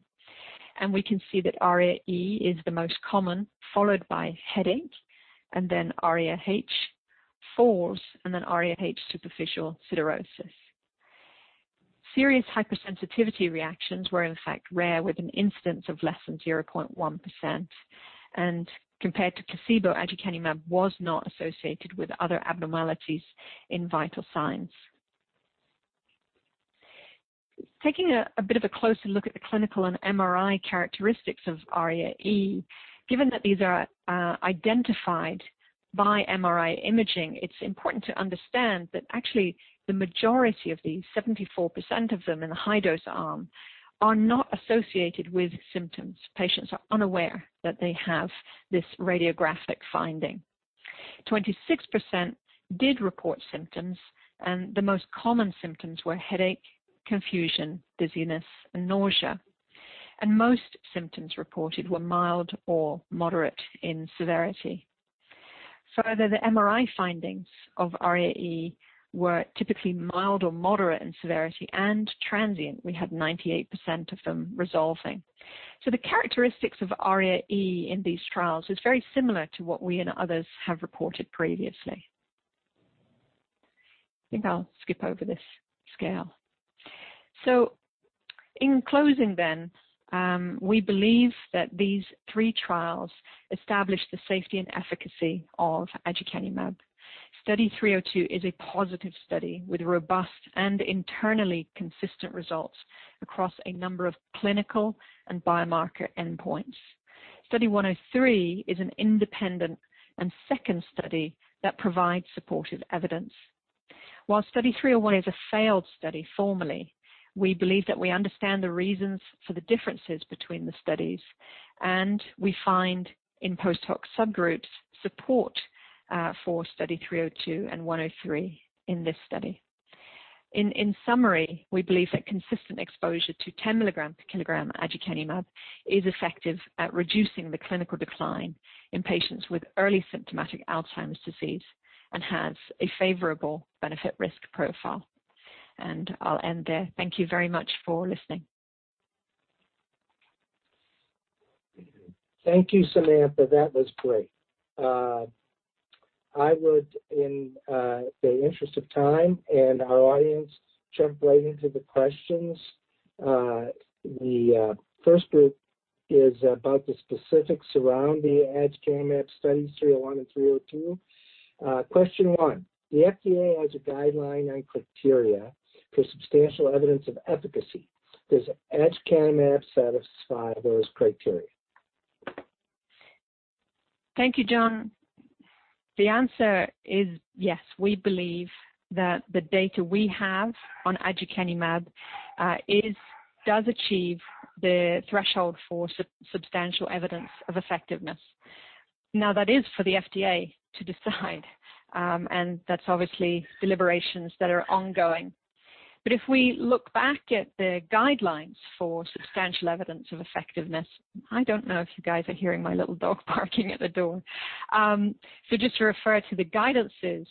We can see that ARIA-E is the most common, followed by headache and then ARIA-H, falls, and then ARIA-H superficial siderosis. Serious hypersensitivity reactions were in fact rare, with an incidence of less than 0.1%. Compared to placebo, aducanumab was not associated with other abnormalities in vital signs. Taking a bit of a closer look at the clinical and MRI characteristics of ARIA-E, given that these are identified by MRI imaging, it's important to understand that actually the majority of these, 74% of them in the high-dose arm, are not associated with symptoms. Patients are unaware that they have this radiographic finding. 26% did report symptoms. The most common symptoms were headache, confusion, dizziness, and nausea. Most symptoms reported were mild or moderate in severity. Further, the MRI findings of ARIA-E were typically mild or moderate in severity and transient. We had 98% of them resolving. The characteristics of ARIA-E in these trials is very similar to what we and others have reported previously. I think I'll skip over this scale. In closing, we believe that these three trials establish the safety and efficacy of aducanumab. Study 302 is a positive study with robust and internally consistent results across a number of clinical and biomarker endpoints. Study 103 is an independent and second study that provides supportive evidence. While Study 301 is a failed study formally, we believe that we understand the reasons for the differences between the studies, and we find in post-hoc subgroups support for Study 302 and 103 in this study. In summary, we believe that consistent exposure to 10 milligram per kilogram aducanumab is effective at reducing the clinical decline in patients with early symptomatic Alzheimer's disease and has a favorable benefit-risk profile. I'll end there. Thank you very much for listening. Thank you, Samantha. That was great. I would, in the interest of time and our audience, jump right into the questions. The first group is about the specifics around the aducanumab studies 301 and 302. Question one, the FDA has a guideline and criteria for substantial evidence of efficacy. Does aducanumab satisfy those criteria? Thank you, John. The answer is yes. We believe that the data we have on aducanumab does achieve the threshold for substantial evidence of effectiveness. That is for the FDA to decide, and that's obviously deliberations that are ongoing. If we look back at the guidelines for substantial evidence of effectiveness, I don't know if you guys are hearing my little dog barking at the door. Just to refer to the guidances,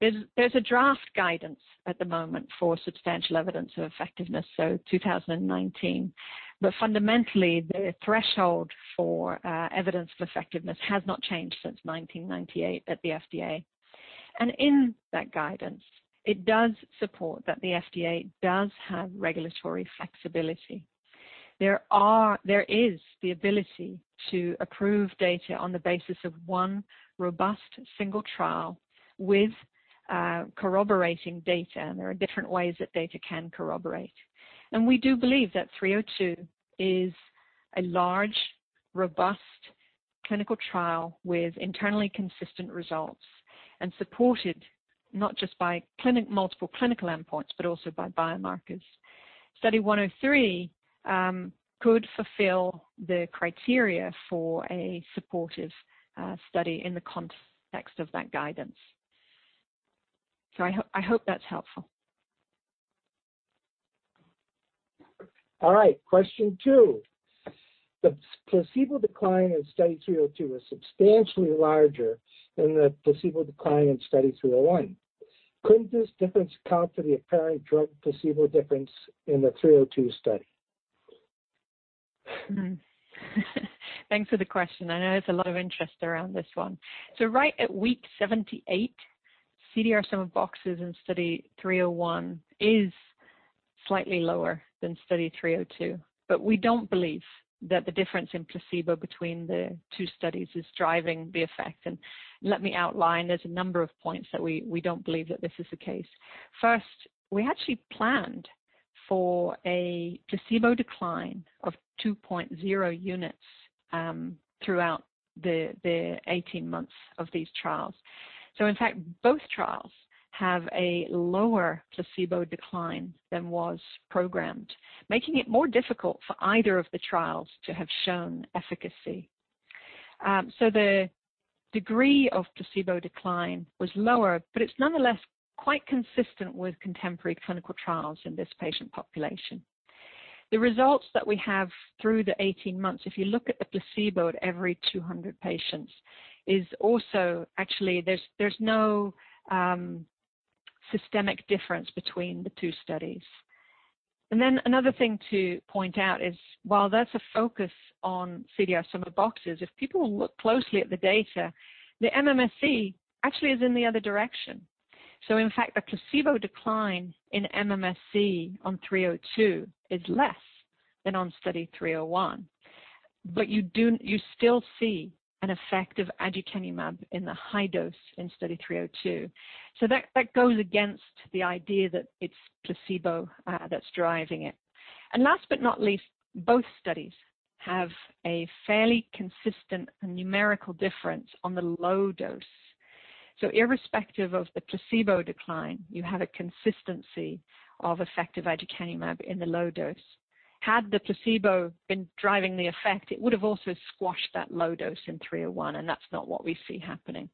there's a draft guidance at the moment for substantial evidence of effectiveness, 2019. Fundamentally, the threshold for evidence of effectiveness has not changed since 1998 at the FDA. In that guidance, it does support that the FDA does have regulatory flexibility. There is the ability to approve data on the basis of one robust single trial with corroborating data, there are different ways that data can corroborate. We do believe that 302 is a large, robust clinical trial with internally consistent results and supported not just by multiple clinical endpoints but also by biomarkers. Study 221AD103 could fulfill the criteria for a supportive study in the context of that guidance. I hope that's helpful. All right. Question two, the placebo decline in Study 221AD302 was substantially larger than the placebo decline in Study 221AD301. Couldn't this difference account for the apparent drug placebo difference in the 302 study? Thanks for the question. I know there's a lot of interest around this one. Right at week 78, CDR Sum of Boxes in Study 301 is slightly lower than Study 302. We don't believe that the difference in placebo between the two studies is driving the effect. Let me outline, there's a number of points that we don't believe that this is the case. First, we actually planned for a placebo decline of 2.0 units throughout the 18 months of these trials. In fact, both trials have a lower placebo decline than was programmed, making it more difficult for either of the trials to have shown efficacy. The degree of placebo decline was lower, but it's nonetheless quite consistent with contemporary clinical trials in this patient population. The results that we have through the 18 months, if you look at the placebo at every 200 patients, is also actually, there's no systemic difference between the two studies. Another thing to point out is while that's a focus on CDR Sum of Boxes, if people look closely at the data, the MMSE actually is in the other direction. In fact, the placebo decline in MMSE on 302 is less than on Study 301. You still see an effect of aducanumab in the high dose in Study 302. That goes against the idea that it's placebo that's driving it. Last but not least, both studies have a fairly consistent numerical difference on the low dose. Irrespective of the placebo decline, you have a consistency of effective aducanumab in the low dose. Had the placebo been driving the effect, it would have also squashed that low dose in 301, and that's not what we see happening.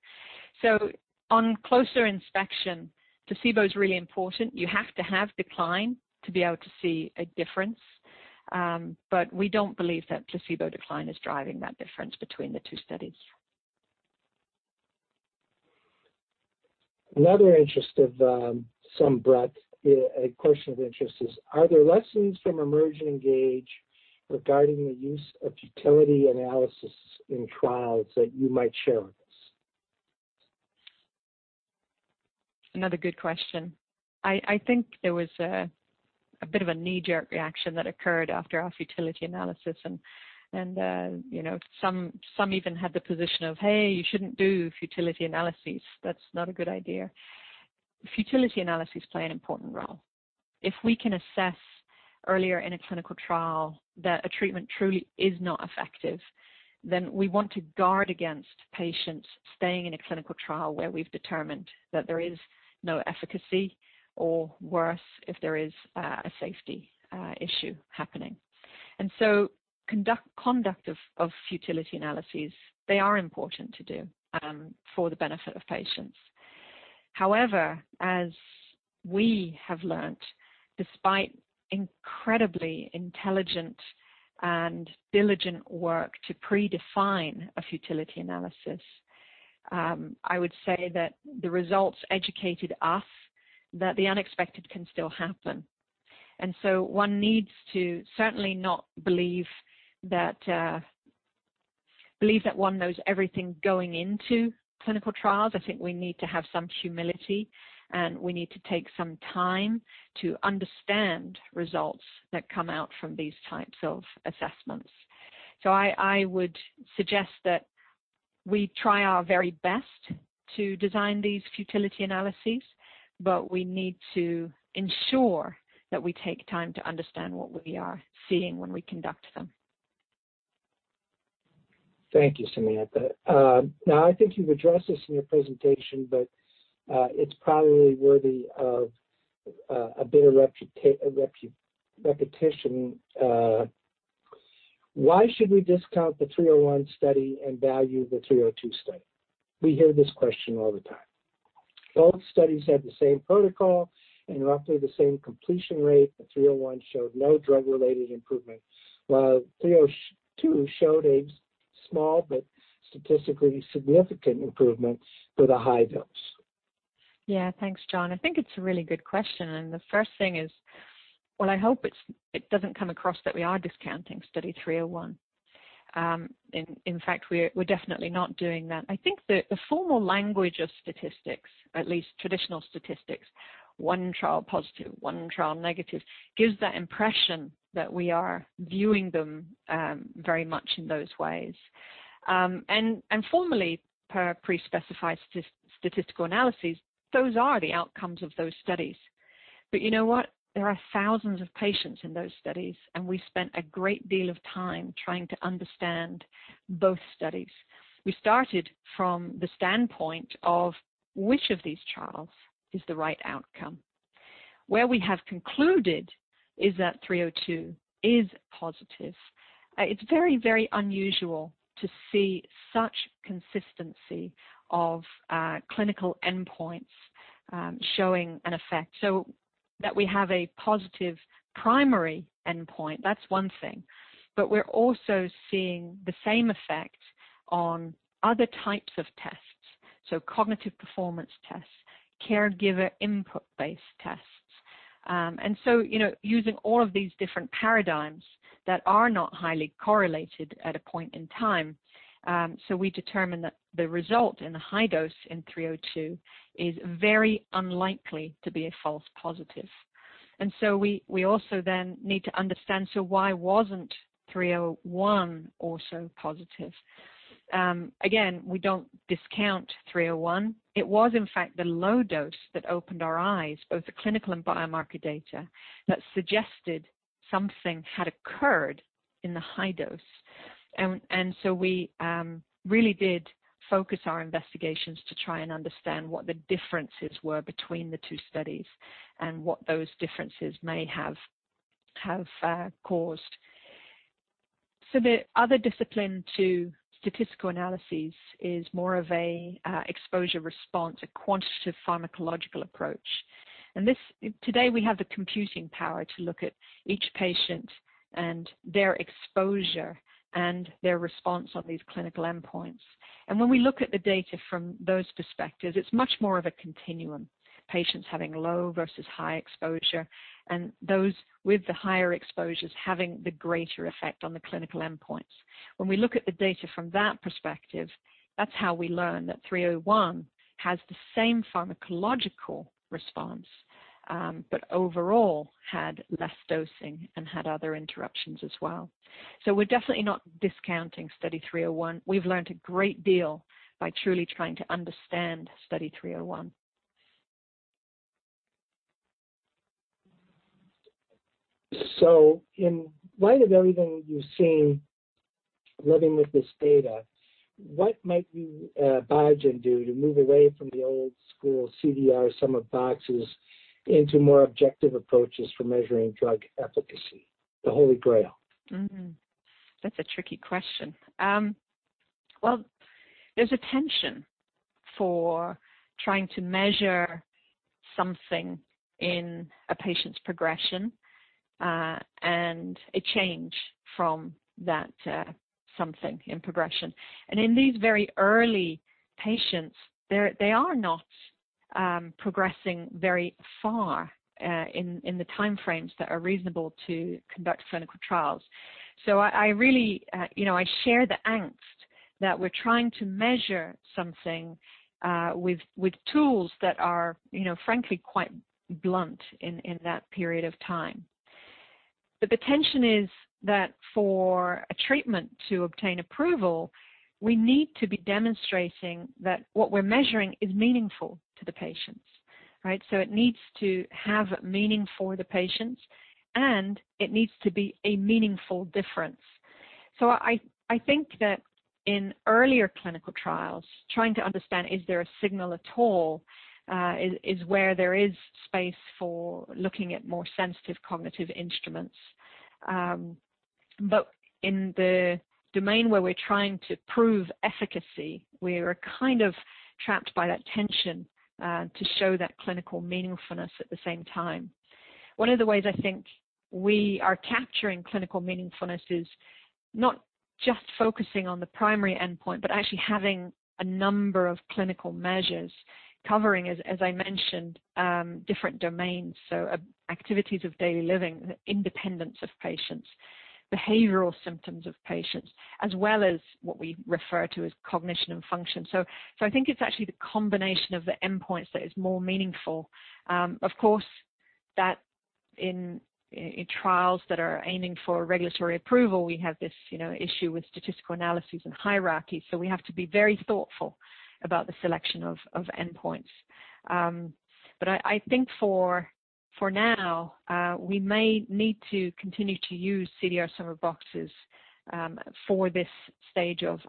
On closer inspection, placebo is really important. You have to have decline to be able to see a difference. We don't believe that placebo decline is driving that difference between the two studies. Another question of interest is, are there lessons from EMERGE and ENGAGE regarding the use of futility analysis in trials that you might share with us? Another good question. I think there was a bit of a knee-jerk reaction that occurred after our futility analysis and some even had the position of, "Hey, you shouldn't do futility analyses. That's not a good idea." Futility analyses play an important role. If we can assess earlier in a clinical trial that a treatment truly is not effective, then we want to guard against patients staying in a clinical trial where we've determined that there is no efficacy or worse, if there is a safety issue happening. Conduct of futility analyses, they are important to do for the benefit of patients. However, as we have learned, despite incredibly intelligent and diligent work to predefine a futility analysis, I would say that the results educated us that the unexpected can still happen. One needs to certainly not believe that one knows everything going into clinical trials. I think we need to have some humility and we need to take some time to understand results that come out from these types of assessments. I would suggest that we try our very best to design these futility analyses, but we need to ensure that we take time to understand what we are seeing when we conduct them. Thank you, Samantha. I think you've addressed this in your presentation, but it's probably worthy of a bit of repetition. Why should we discount the 301 study and value the 302 study? We hear this question all the time. Both studies had the same protocol and roughly the same completion rate, but 301 showed no drug-related improvements, while 302 showed a small but statistically significant improvements for the high dose. Thanks, John. The first thing is while I hope it doesn't come across that we are discounting Study 221AD301. In fact, we're definitely not doing that. I think the formal language of statistics, at least traditional statistics, one trial positive, one trial negative, gives that impression that we are viewing them very much in those ways. Formally, per pre-specified statistical analyses, those are the outcomes of those studies. You know what? There are thousands of patients in those studies, and we spent a great deal of time trying to understand both studies. We started from the standpoint of which of these trials is the right outcome. Where we have concluded is that 302 is positive. It's very, very unusual to see such consistency of clinical endpoints showing an effect. That we have a positive primary endpoint, that's one thing. We're also seeing the same effect on other types of tests, cognitive performance tests, caregiver input-based tests. Using all of these different paradigms that are not highly correlated at a point in time, so we determine that the result in the high dose in 302 is very unlikely to be a false positive. We also then need to understand, so why wasn't 301 also positive? Again, we don't discount 301. It was, in fact, the low dose that opened our eyes, both the clinical and biomarker data, that suggested something had occurred in the high dose. We really did focus our investigations to try and understand what the differences were between the two studies and what those differences may have caused. The other discipline to statistical analyses is more of a exposure response, a quantitative pharmacological approach. Today, we have the computing power to look at each patient and their exposure and their response on these clinical endpoints. When we look at the data from those perspectives, it's much more of a continuum. Patients having low versus high exposure, and those with the higher exposures having the greater effect on the clinical endpoints. When we look at the data from that perspective, that's how we learn that 301 has the same pharmacological response, but overall had less dosing and had other interruptions as well. We're definitely not discounting Study 221AD301. We've learned a great deal by truly trying to understand Study 221AD301. In light of everything you've seen living with this data, what might Biogen do to move away from the old school CDR Sum of Boxes into more objective approaches for measuring drug efficacy? The holy grail. That's a tricky question. Well, there's a tension for trying to measure something in a patient's progression, and a change from that something in progression. In these very early patients, they are not progressing very far in the time frames that are reasonable to conduct clinical trials. I really share the angst that we're trying to measure something with tools that are frankly quite blunt in that period of time. The tension is that for a treatment to obtain approval, we need to be demonstrating that what we're measuring is meaningful to the patients. Right? It needs to have meaning for the patients, and it needs to be a meaningful difference. I think that in earlier clinical trials, trying to understand is there a signal at all, is where there is space for looking at more sensitive cognitive instruments. In the domain where we're trying to prove efficacy, we're kind of trapped by that tension to show that clinical meaningfulness at the same time. One of the ways I think we are capturing clinical meaningfulness is not just focusing on the primary endpoint, but actually having a number of clinical measures covering, as I mentioned, different domains. Activities of daily living, independence of patients, behavioral symptoms of patients, as well as what we refer to as cognition and function. I think it's actually the combination of the endpoints that is more meaningful. Of course, that in trials that are aiming for regulatory approval, we have this issue with statistical analysis and hierarchy, so we have to be very thoughtful about the selection of endpoints. I think for now, we may need to continue to use CDR Sum of Boxes for this stage of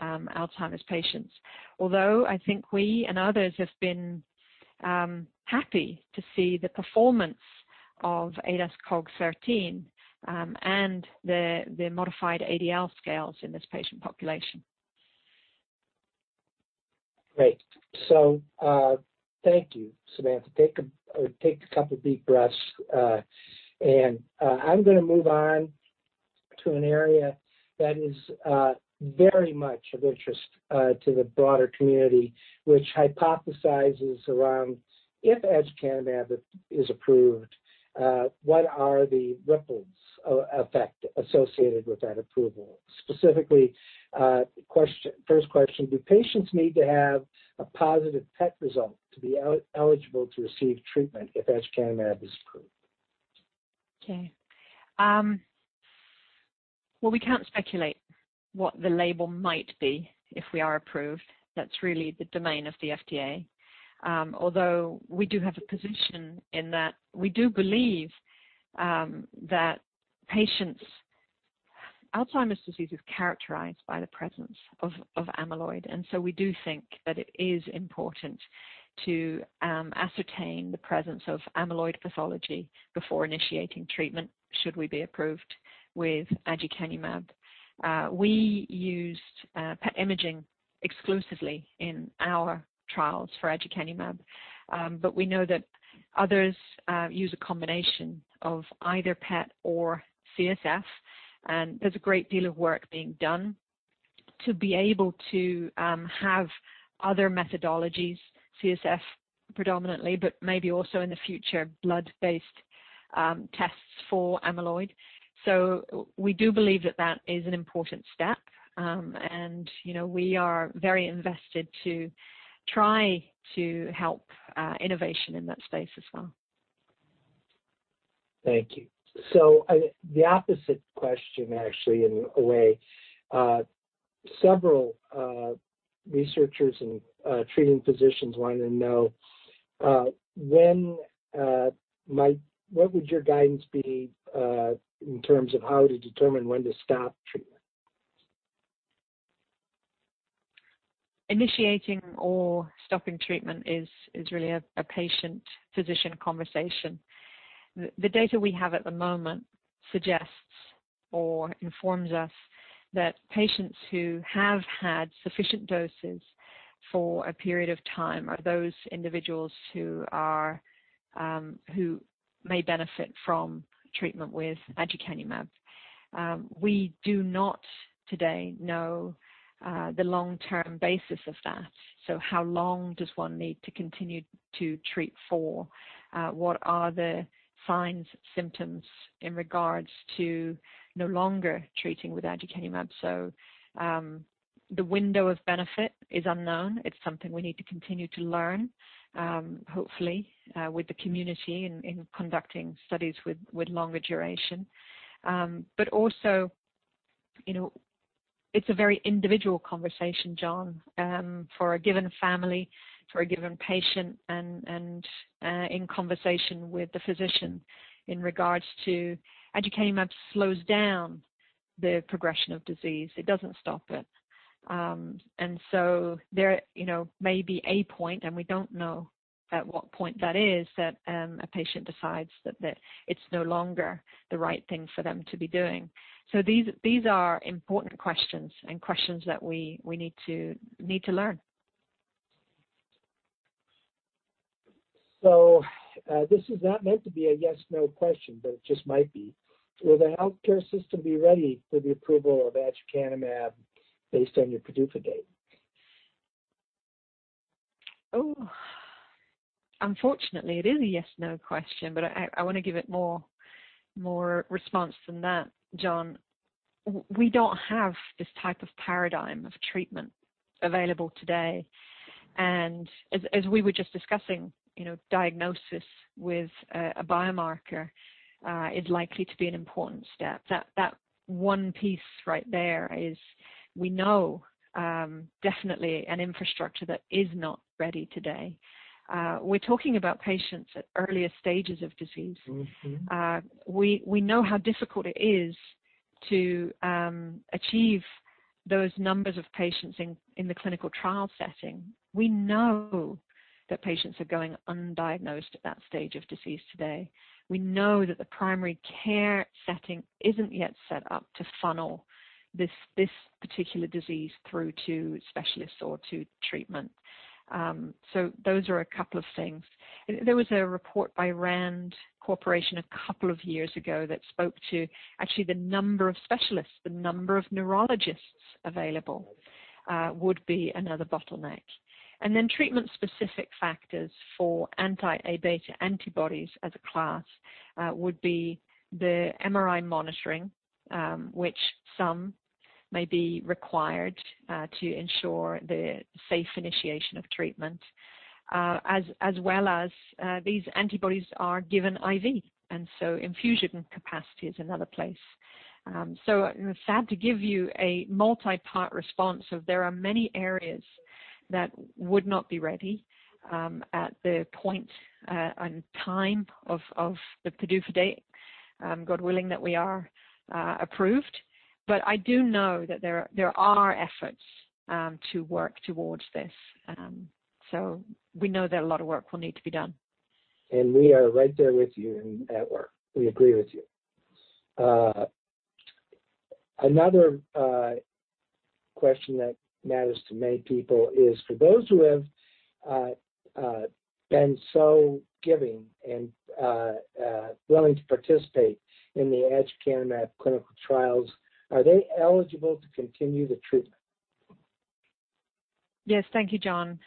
Alzheimer's patients. I think we and others have been happy to see the performance of ADAS-Cog13, and the modified ADL scales in this patient population. Great. Thank you, Samantha. Take a couple of deep breaths. I'm going to move on to an area that is very much of interest to the broader community, which hypothesizes around if aducanumab is approved, what are the ripple effect associated with that approval? Specifically, first question, do patients need to have a positive PET result to be eligible to receive treatment if aducanumab is approved? Okay. Well, we can't speculate what the label might be if we are approved. That's really the domain of the FDA. We do have a position in that we do believe that Alzheimer's disease is characterized by the presence of amyloid. We do think that it is important to ascertain the presence of amyloid pathology before initiating treatment, should we be approved with aducanumab. We used PET imaging exclusively in our trials for aducanumab. We know that others use a combination of either PET or CSF, and there's a great deal of work being done to be able to have other methodologies, CSF predominantly, but maybe also in the future, blood-based tests for amyloid. We do believe that that is an important step, and we are very invested to try to help innovation in that space as well. Thank you. The opposite question actually, in a way. Several researchers and treating physicians wanted to know what would your guidance be, in terms of how to determine when to stop treatment? Initiating or stopping treatment is really a patient-physician conversation. The data we have at the moment suggests or informs us that patients who have had sufficient doses for a period of time are those individuals who may benefit from treatment with aducanumab. We do not today know the long-term basis of that. How long does one need to continue to treat for? What are the signs, symptoms in regards to no longer treating with aducanumab? The window of benefit is unknown. It's something we need to continue to learn, hopefully, with the community in conducting studies with longer duration. Also, it's a very individual conversation, John, for a given family, for a given patient, and in conversation with the physician in regards to aducanumab slows down the progression of disease. It doesn't stop it. There may be a point, and we don't know at what point that is, that a patient decides that it's no longer the right thing for them to be doing. These are important questions and questions that we need to learn. This is not meant to be a yes/no question, but it just might be. Will the healthcare system be ready for the approval of aducanumab based on your PDUFA date? Oh. Unfortunately, it is a yes/no question, but I want to give it more response than that, John. We don't have this type of paradigm of treatment available today. As we were just discussing, diagnosis with a biomarker is likely to be an important step. That one piece right there is we know definitely an infrastructure that is not ready today. We're talking about patients at earlier stages of disease. We know how difficult it is to achieve those numbers of patients in the clinical trial setting. We know that patients are going undiagnosed at that stage of disease today. We know that the primary care setting isn't yet set up to funnel this particular disease through to specialists or to treatment. Those are a couple of things. There was a report by RAND Corporation a couple of years ago that spoke to actually the number of specialists, the number of neurologists available would be another bottleneck. Treatment-specific factors for anti-Aβ antibodies as a class would be the MRI monitoring, which some may be required to ensure the safe initiation of treatment, as well as these antibodies are given IV, infusion capacity is another place. Sad to give you a multi-part response of there are many areas that would not be ready at the point and time of the PDUFA date, God willing, that we are approved. I do know that there are efforts to work towards this. We know that a lot of work will need to be done. We are right there with you in that work. We agree with you. Another question that matters to many people is for those who have been so giving and willing to participate in the aducanumab clinical trials, are they eligible to continue the treatment? Yes. Thank you, John.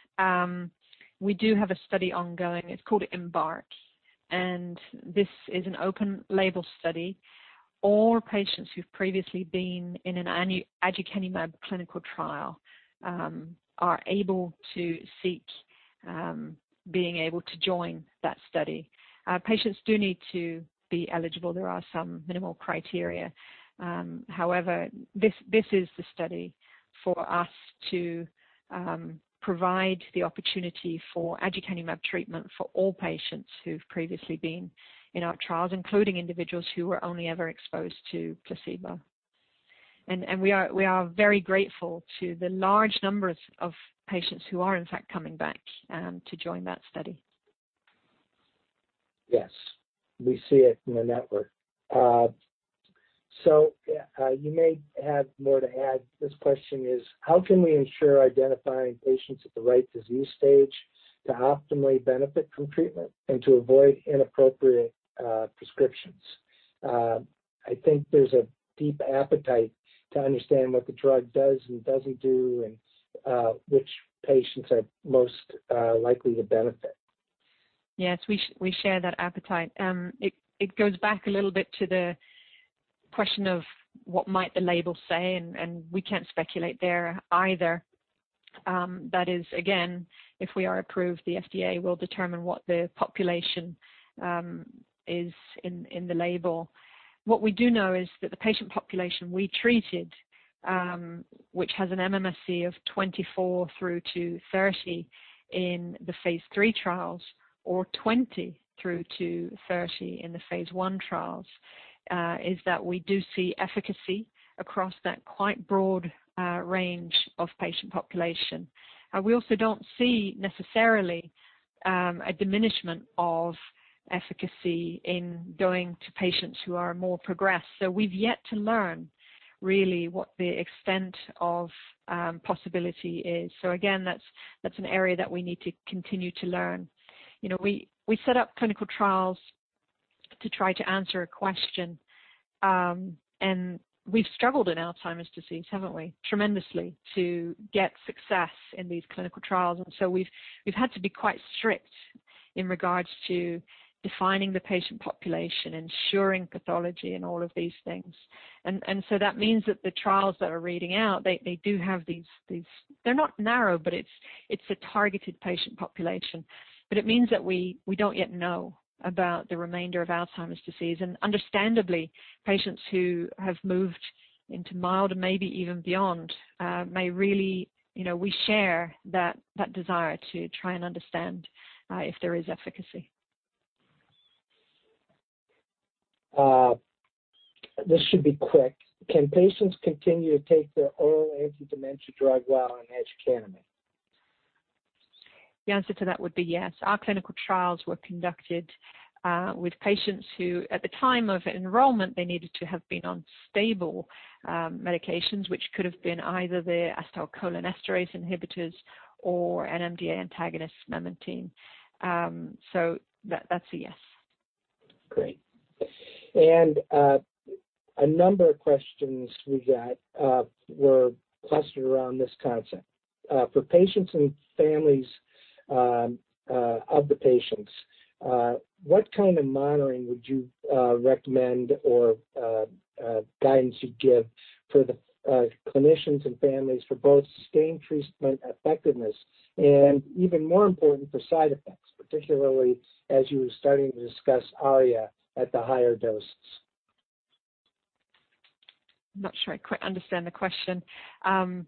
We do have a study ongoing. It's called EMBARC. This is an open label study. All patients who've previously been in an aducanumab clinical trial are able to seek being able to join that study. Patients do need to be eligible. There are some minimal criteria. This is the study for us to provide the opportunity for aducanumab treatment for all patients who've previously been in our trials, including individuals who were only ever exposed to placebo. We are very grateful to the large numbers of patients who are in fact coming back to join that study. Yes. We see it in the network. You may have more to add. This question is, how can we ensure identifying patients at the right disease stage to optimally benefit from treatment and to avoid inappropriate prescriptions? I think there's a deep appetite to understand what the drug does and doesn't do and which patients are most likely to benefit. Yes, we share that appetite. It goes back a little bit to the question of what might the label say. We can't speculate there either. That is, again, if we are approved, the FDA will determine what the population is in the label. What we do know is that the patient population we treated, which has an MMSE of 24 through to 30 in the phase III trials or 20 through to 30 in the phase I trials, is that we do see efficacy across that quite broad range of patient population. We also don't see necessarily a diminishment of efficacy in going to patients who are more progressed. We've yet to learn really what the extent of possibility is. Again, that's an area that we need to continue to learn. We set up clinical trials to try to answer a question. We've struggled in Alzheimer's disease, haven't we, tremendously to get success in these clinical trials. We've had to be quite strict in regards to defining the patient population, ensuring pathology and all of these things. That means that the trials that are reading out, They're not narrow, but it's a targeted patient population. It means that we don't yet know about the remainder of Alzheimer's disease. Understandably, patients who have moved into mild or maybe even beyond may really, we share that desire to try and understand if there is efficacy. This should be quick. Can patients continue to take their oral anti-dementia drug while on aducanumab? The answer to that would be yes. Our clinical trials were conducted with patients who, at the time of enrollment, they needed to have been on stable medications, which could have been either the acetylcholinesterase inhibitors or an NMDA antagonist, memantine. That's a yes. Great. A number of questions we got were clustered around this concept. For patients and families of the patients, what kind of monitoring would you recommend or guidance you'd give for the clinicians and families for both sustained treatment effectiveness and, even more important, for side effects, particularly as you were starting to discuss ARIA at the higher doses? I'm not sure I quite understand the question. I hope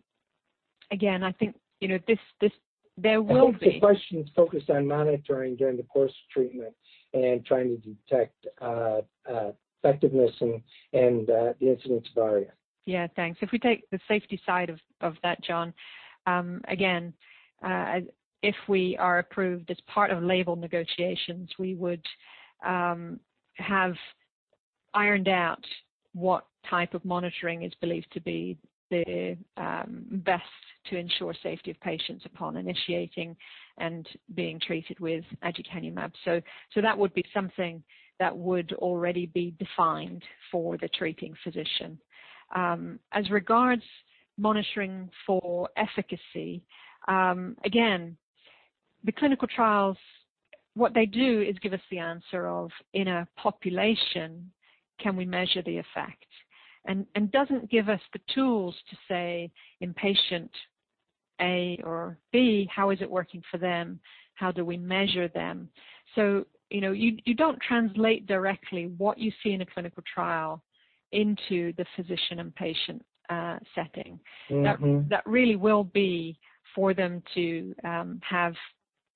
the question's focused on monitoring during the course of treatment and trying to detect effectiveness and the incidence of ARIA. Yeah. Thanks. If we take the safety side of that, John, again, if we are approved as part of label negotiations, we would have ironed out what type of monitoring is believed to be the best to ensure safety of patients upon initiating and being treated with aducanumab. That would be something that would already be defined for the treating physician. As regards monitoring for efficacy, again, the clinical trials, what they do is give us the answer of, in a population, can we measure the effect? It doesn't give us the tools to say in patient A or B, how is it working for them? How do we measure them? You don't translate directly what you see in a clinical trial into the physician and patient setting. That really will be for them to have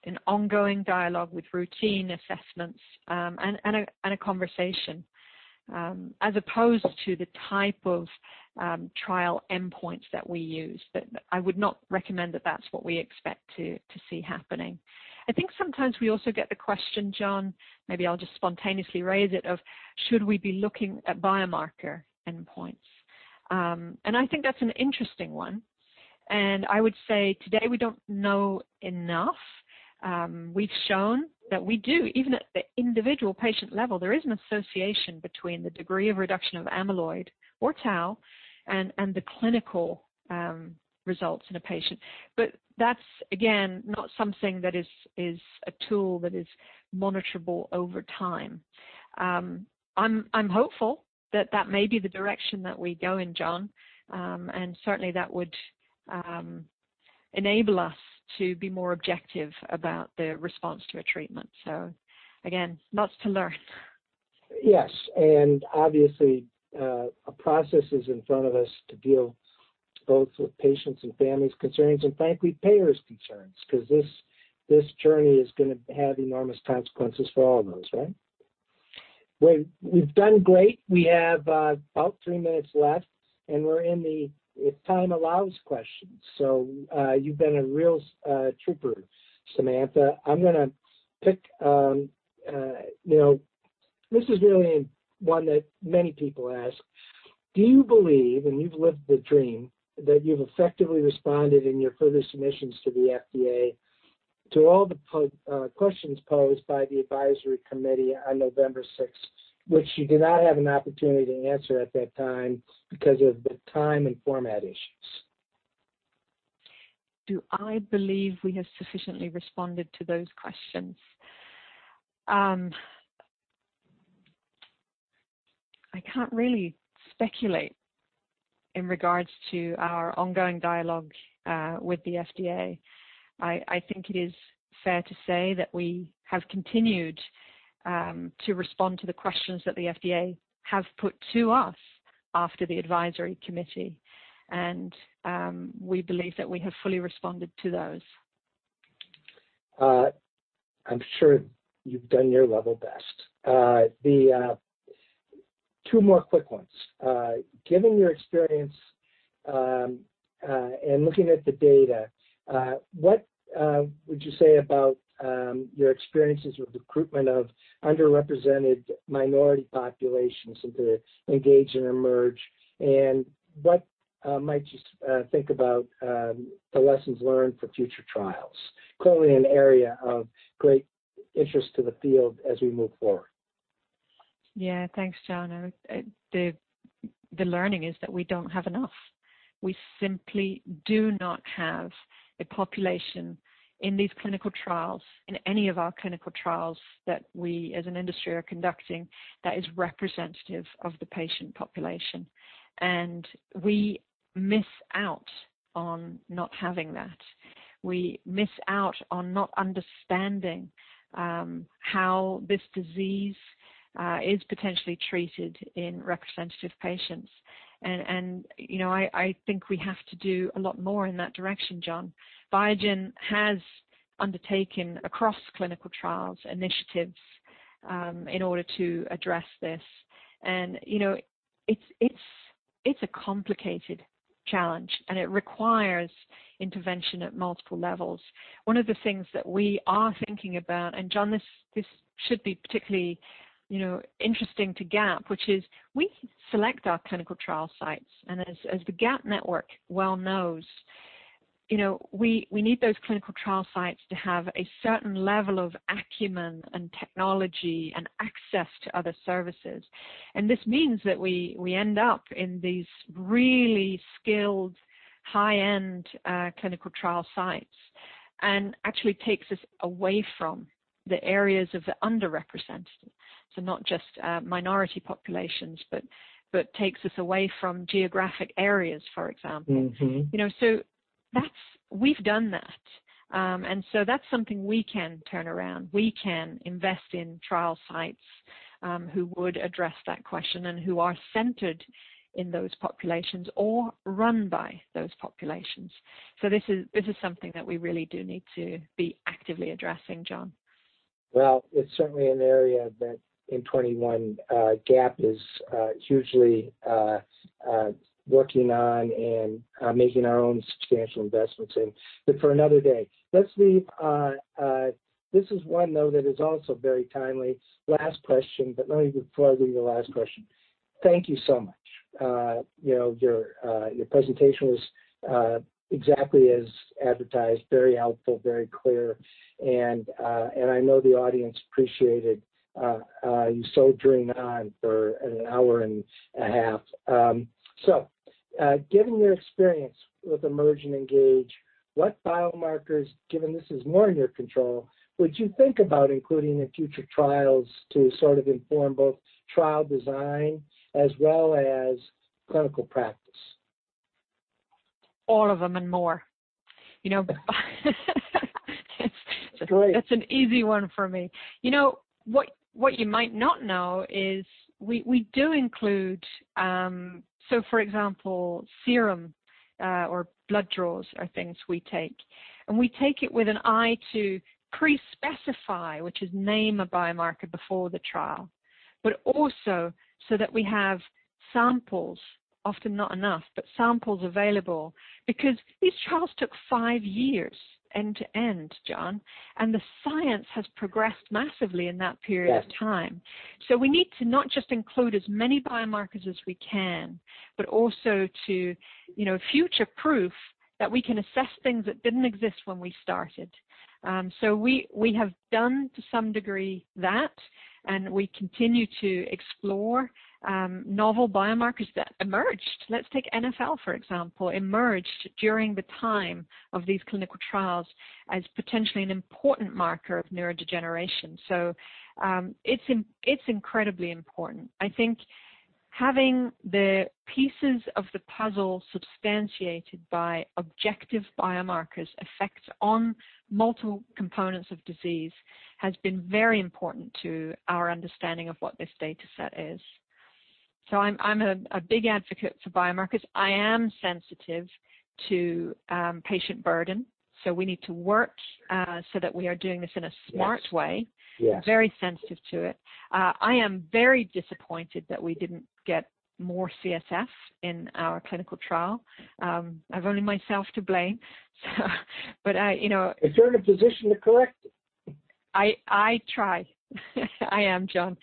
an ongoing dialogue with routine assessments and a conversation as opposed to the type of trial endpoints that we use. I would not recommend that that's what we expect to see happening. I think sometimes we also get the question, John, maybe I'll just spontaneously raise it, of should we be looking at biomarker endpoints? I think that's an interesting one. I would say today we don't know enough. We've shown that we do, even at the individual patient level, there is an association between the degree of reduction of amyloid or tau and the clinical results in a patient. That's, again, not something that is a tool that is monitorable over time. I'm hopeful that that may be the direction that we go in, John. Certainly that would enable us to be more objective about the response to a treatment. Again, lots to learn. Yes. Obviously, a process is in front of us to deal both with patients' and families' concerns and frankly, payers' concerns because this journey is going to have enormous consequences for all of us, right? We've done great. We have about three minutes left, and we're in the if-time-allows questions. You've been a real trooper, Samantha. I'm going to pick, this is really one that many people ask. Do you believe, and you've lived the dream, that you've effectively responded in your further submissions to the FDA to all the questions posed by the advisory committee on November 6th, which you did not have an opportunity to answer at that time because of the time and format issues? Do I believe we have sufficiently responded to those questions? I can't really speculate in regards to our ongoing dialogue with the FDA. I think it is fair to say that we have continued to respond to the questions that the FDA have put to us after the advisory committee. We believe that we have fully responded to those. I'm sure you've done your level best. Two more quick ones. Given your experience and looking at the data, what would you say about your experiences with recruitment of underrepresented minority populations into ENGAGE and EMERGE, and what might you think about the lessons learned for future trials? Clearly an area of great interest to the field as we move forward. Yeah. Thanks, John. The learning is that we don't have enough. We simply do not have a population in these clinical trials, in any of our clinical trials that we, as an industry, are conducting that is representative of the patient population. We miss out on not having that. We miss out on not understanding how this disease is potentially treated in representative patients. I think we have to do a lot more in that direction, John. Biogen has undertaken across clinical trials initiatives in order to address this. It's a complicated challenge, and it requires intervention at multiple levels. One of the things that we are thinking about, John, this should be particularly interesting to GAP, which is we select our clinical trial sites. As the GAaP network well knows, we need those clinical trial sites to have a certain level of acumen and technology and access to other services. This means that we end up in these really skilled, high-end clinical trial sites, and actually takes us away from the areas of the underrepresented. Not just minority populations, but takes us away from geographic areas, for example. We've done that. That's something we can turn around. We can invest in trial sites who would address that question and who are centered in those populations or run by those populations. This is something that we really do need to be actively addressing, John. It's certainly an area that in 2021, GAP is hugely working on and making our own substantial investments in. For another day. Let's leave. This is one, though, that is also very timely. Last question, let me before I give you the last question, thank you so much. Your presentation was exactly as advertised, very helpful, very clear, and I know the audience appreciated you soldiering on for an hour and a half. Given your experience with EMERGE and ENGAGE, what biomarkers, given this is more in your control, would you think about including in future trials to sort of inform both trial design as well as clinical practice? All of them and more. Great. That's an easy one for me. What you might not know is we do include, so for example, serum or blood draws are things we take. We take it with an eye to pre-specify, which is name a biomarker before the trial. Also so that we have samples, often not enough, but samples available. These trials took five years end to end, John, and the science has progressed massively in that period of time. Yes. We need to not just include as many biomarkers as we can, but also to future-proof that we can assess things that didn't exist when we started. We have done, to some degree, that, and we continue to explore novel biomarkers that emerged. Let's take NfL, for example, emerged during the time of these clinical trials as potentially an important marker of neurodegeneration. It's incredibly important. I think having the pieces of the puzzle substantiated by objective biomarkers' effects on multiple components of disease has been very important to our understanding of what this data set is. I'm a big advocate for biomarkers. I am sensitive to patient burden. We need to work so that we are doing this in a smart way. Yes. Very sensitive to it. I am very disappointed that we didn't get more CSF in our clinical trial. I've only myself to blame. Is there a position to correct it? I try. I am, John.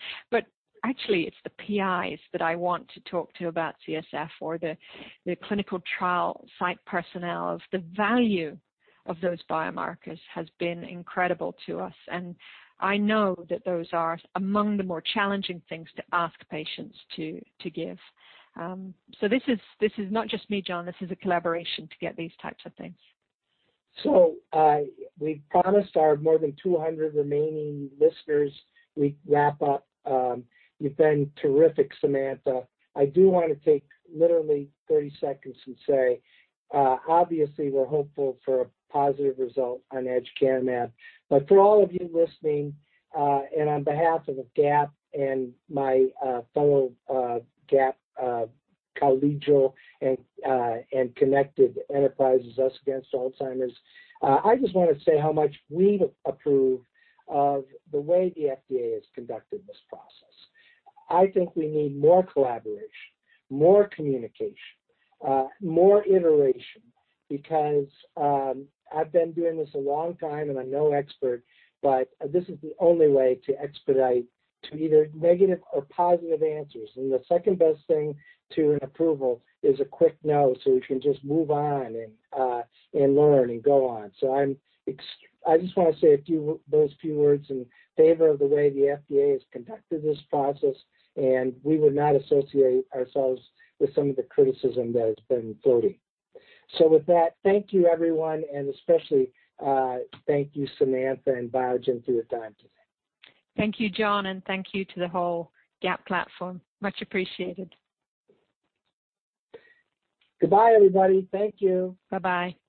Actually, it's the PIs that I want to talk to about CSF or the clinical trial site personnel of the value of those biomarkers has been incredible to us, and I know that those are among the more challenging things to ask patients to give. This is not just me, John. This is a collaboration to get these types of things. We promised our more than 200 remaining listeners we'd wrap up. You've been terrific, Samantha. I do want to take literally 30 seconds and say, obviously, we're hopeful for a positive result on aducanumab. For all of you listening, and on behalf of GAP and my fellow GAP collegial and connected enterprises, UsAgainstAlzheimer's, I just want to say how much we approve of the way the FDA has conducted this process. I think we need more collaboration, more communication, more iteration. I've been doing this a long time and I'm no expert, but this is the only way to expedite to either negative or positive answers. The second best thing to an approval is a quick no, so we can just move on and learn and go on. I just want to say those few words in favor of the way the FDA has conducted this process, and we would not associate ourselves with some of the criticism that has been floating. With that, thank you everyone, and especially, thank you, Samantha and Biogen for your time today. Thank you, John, and thank you to the whole GAP platform. Much appreciated. Goodbye, everybody. Thank you. Bye-bye.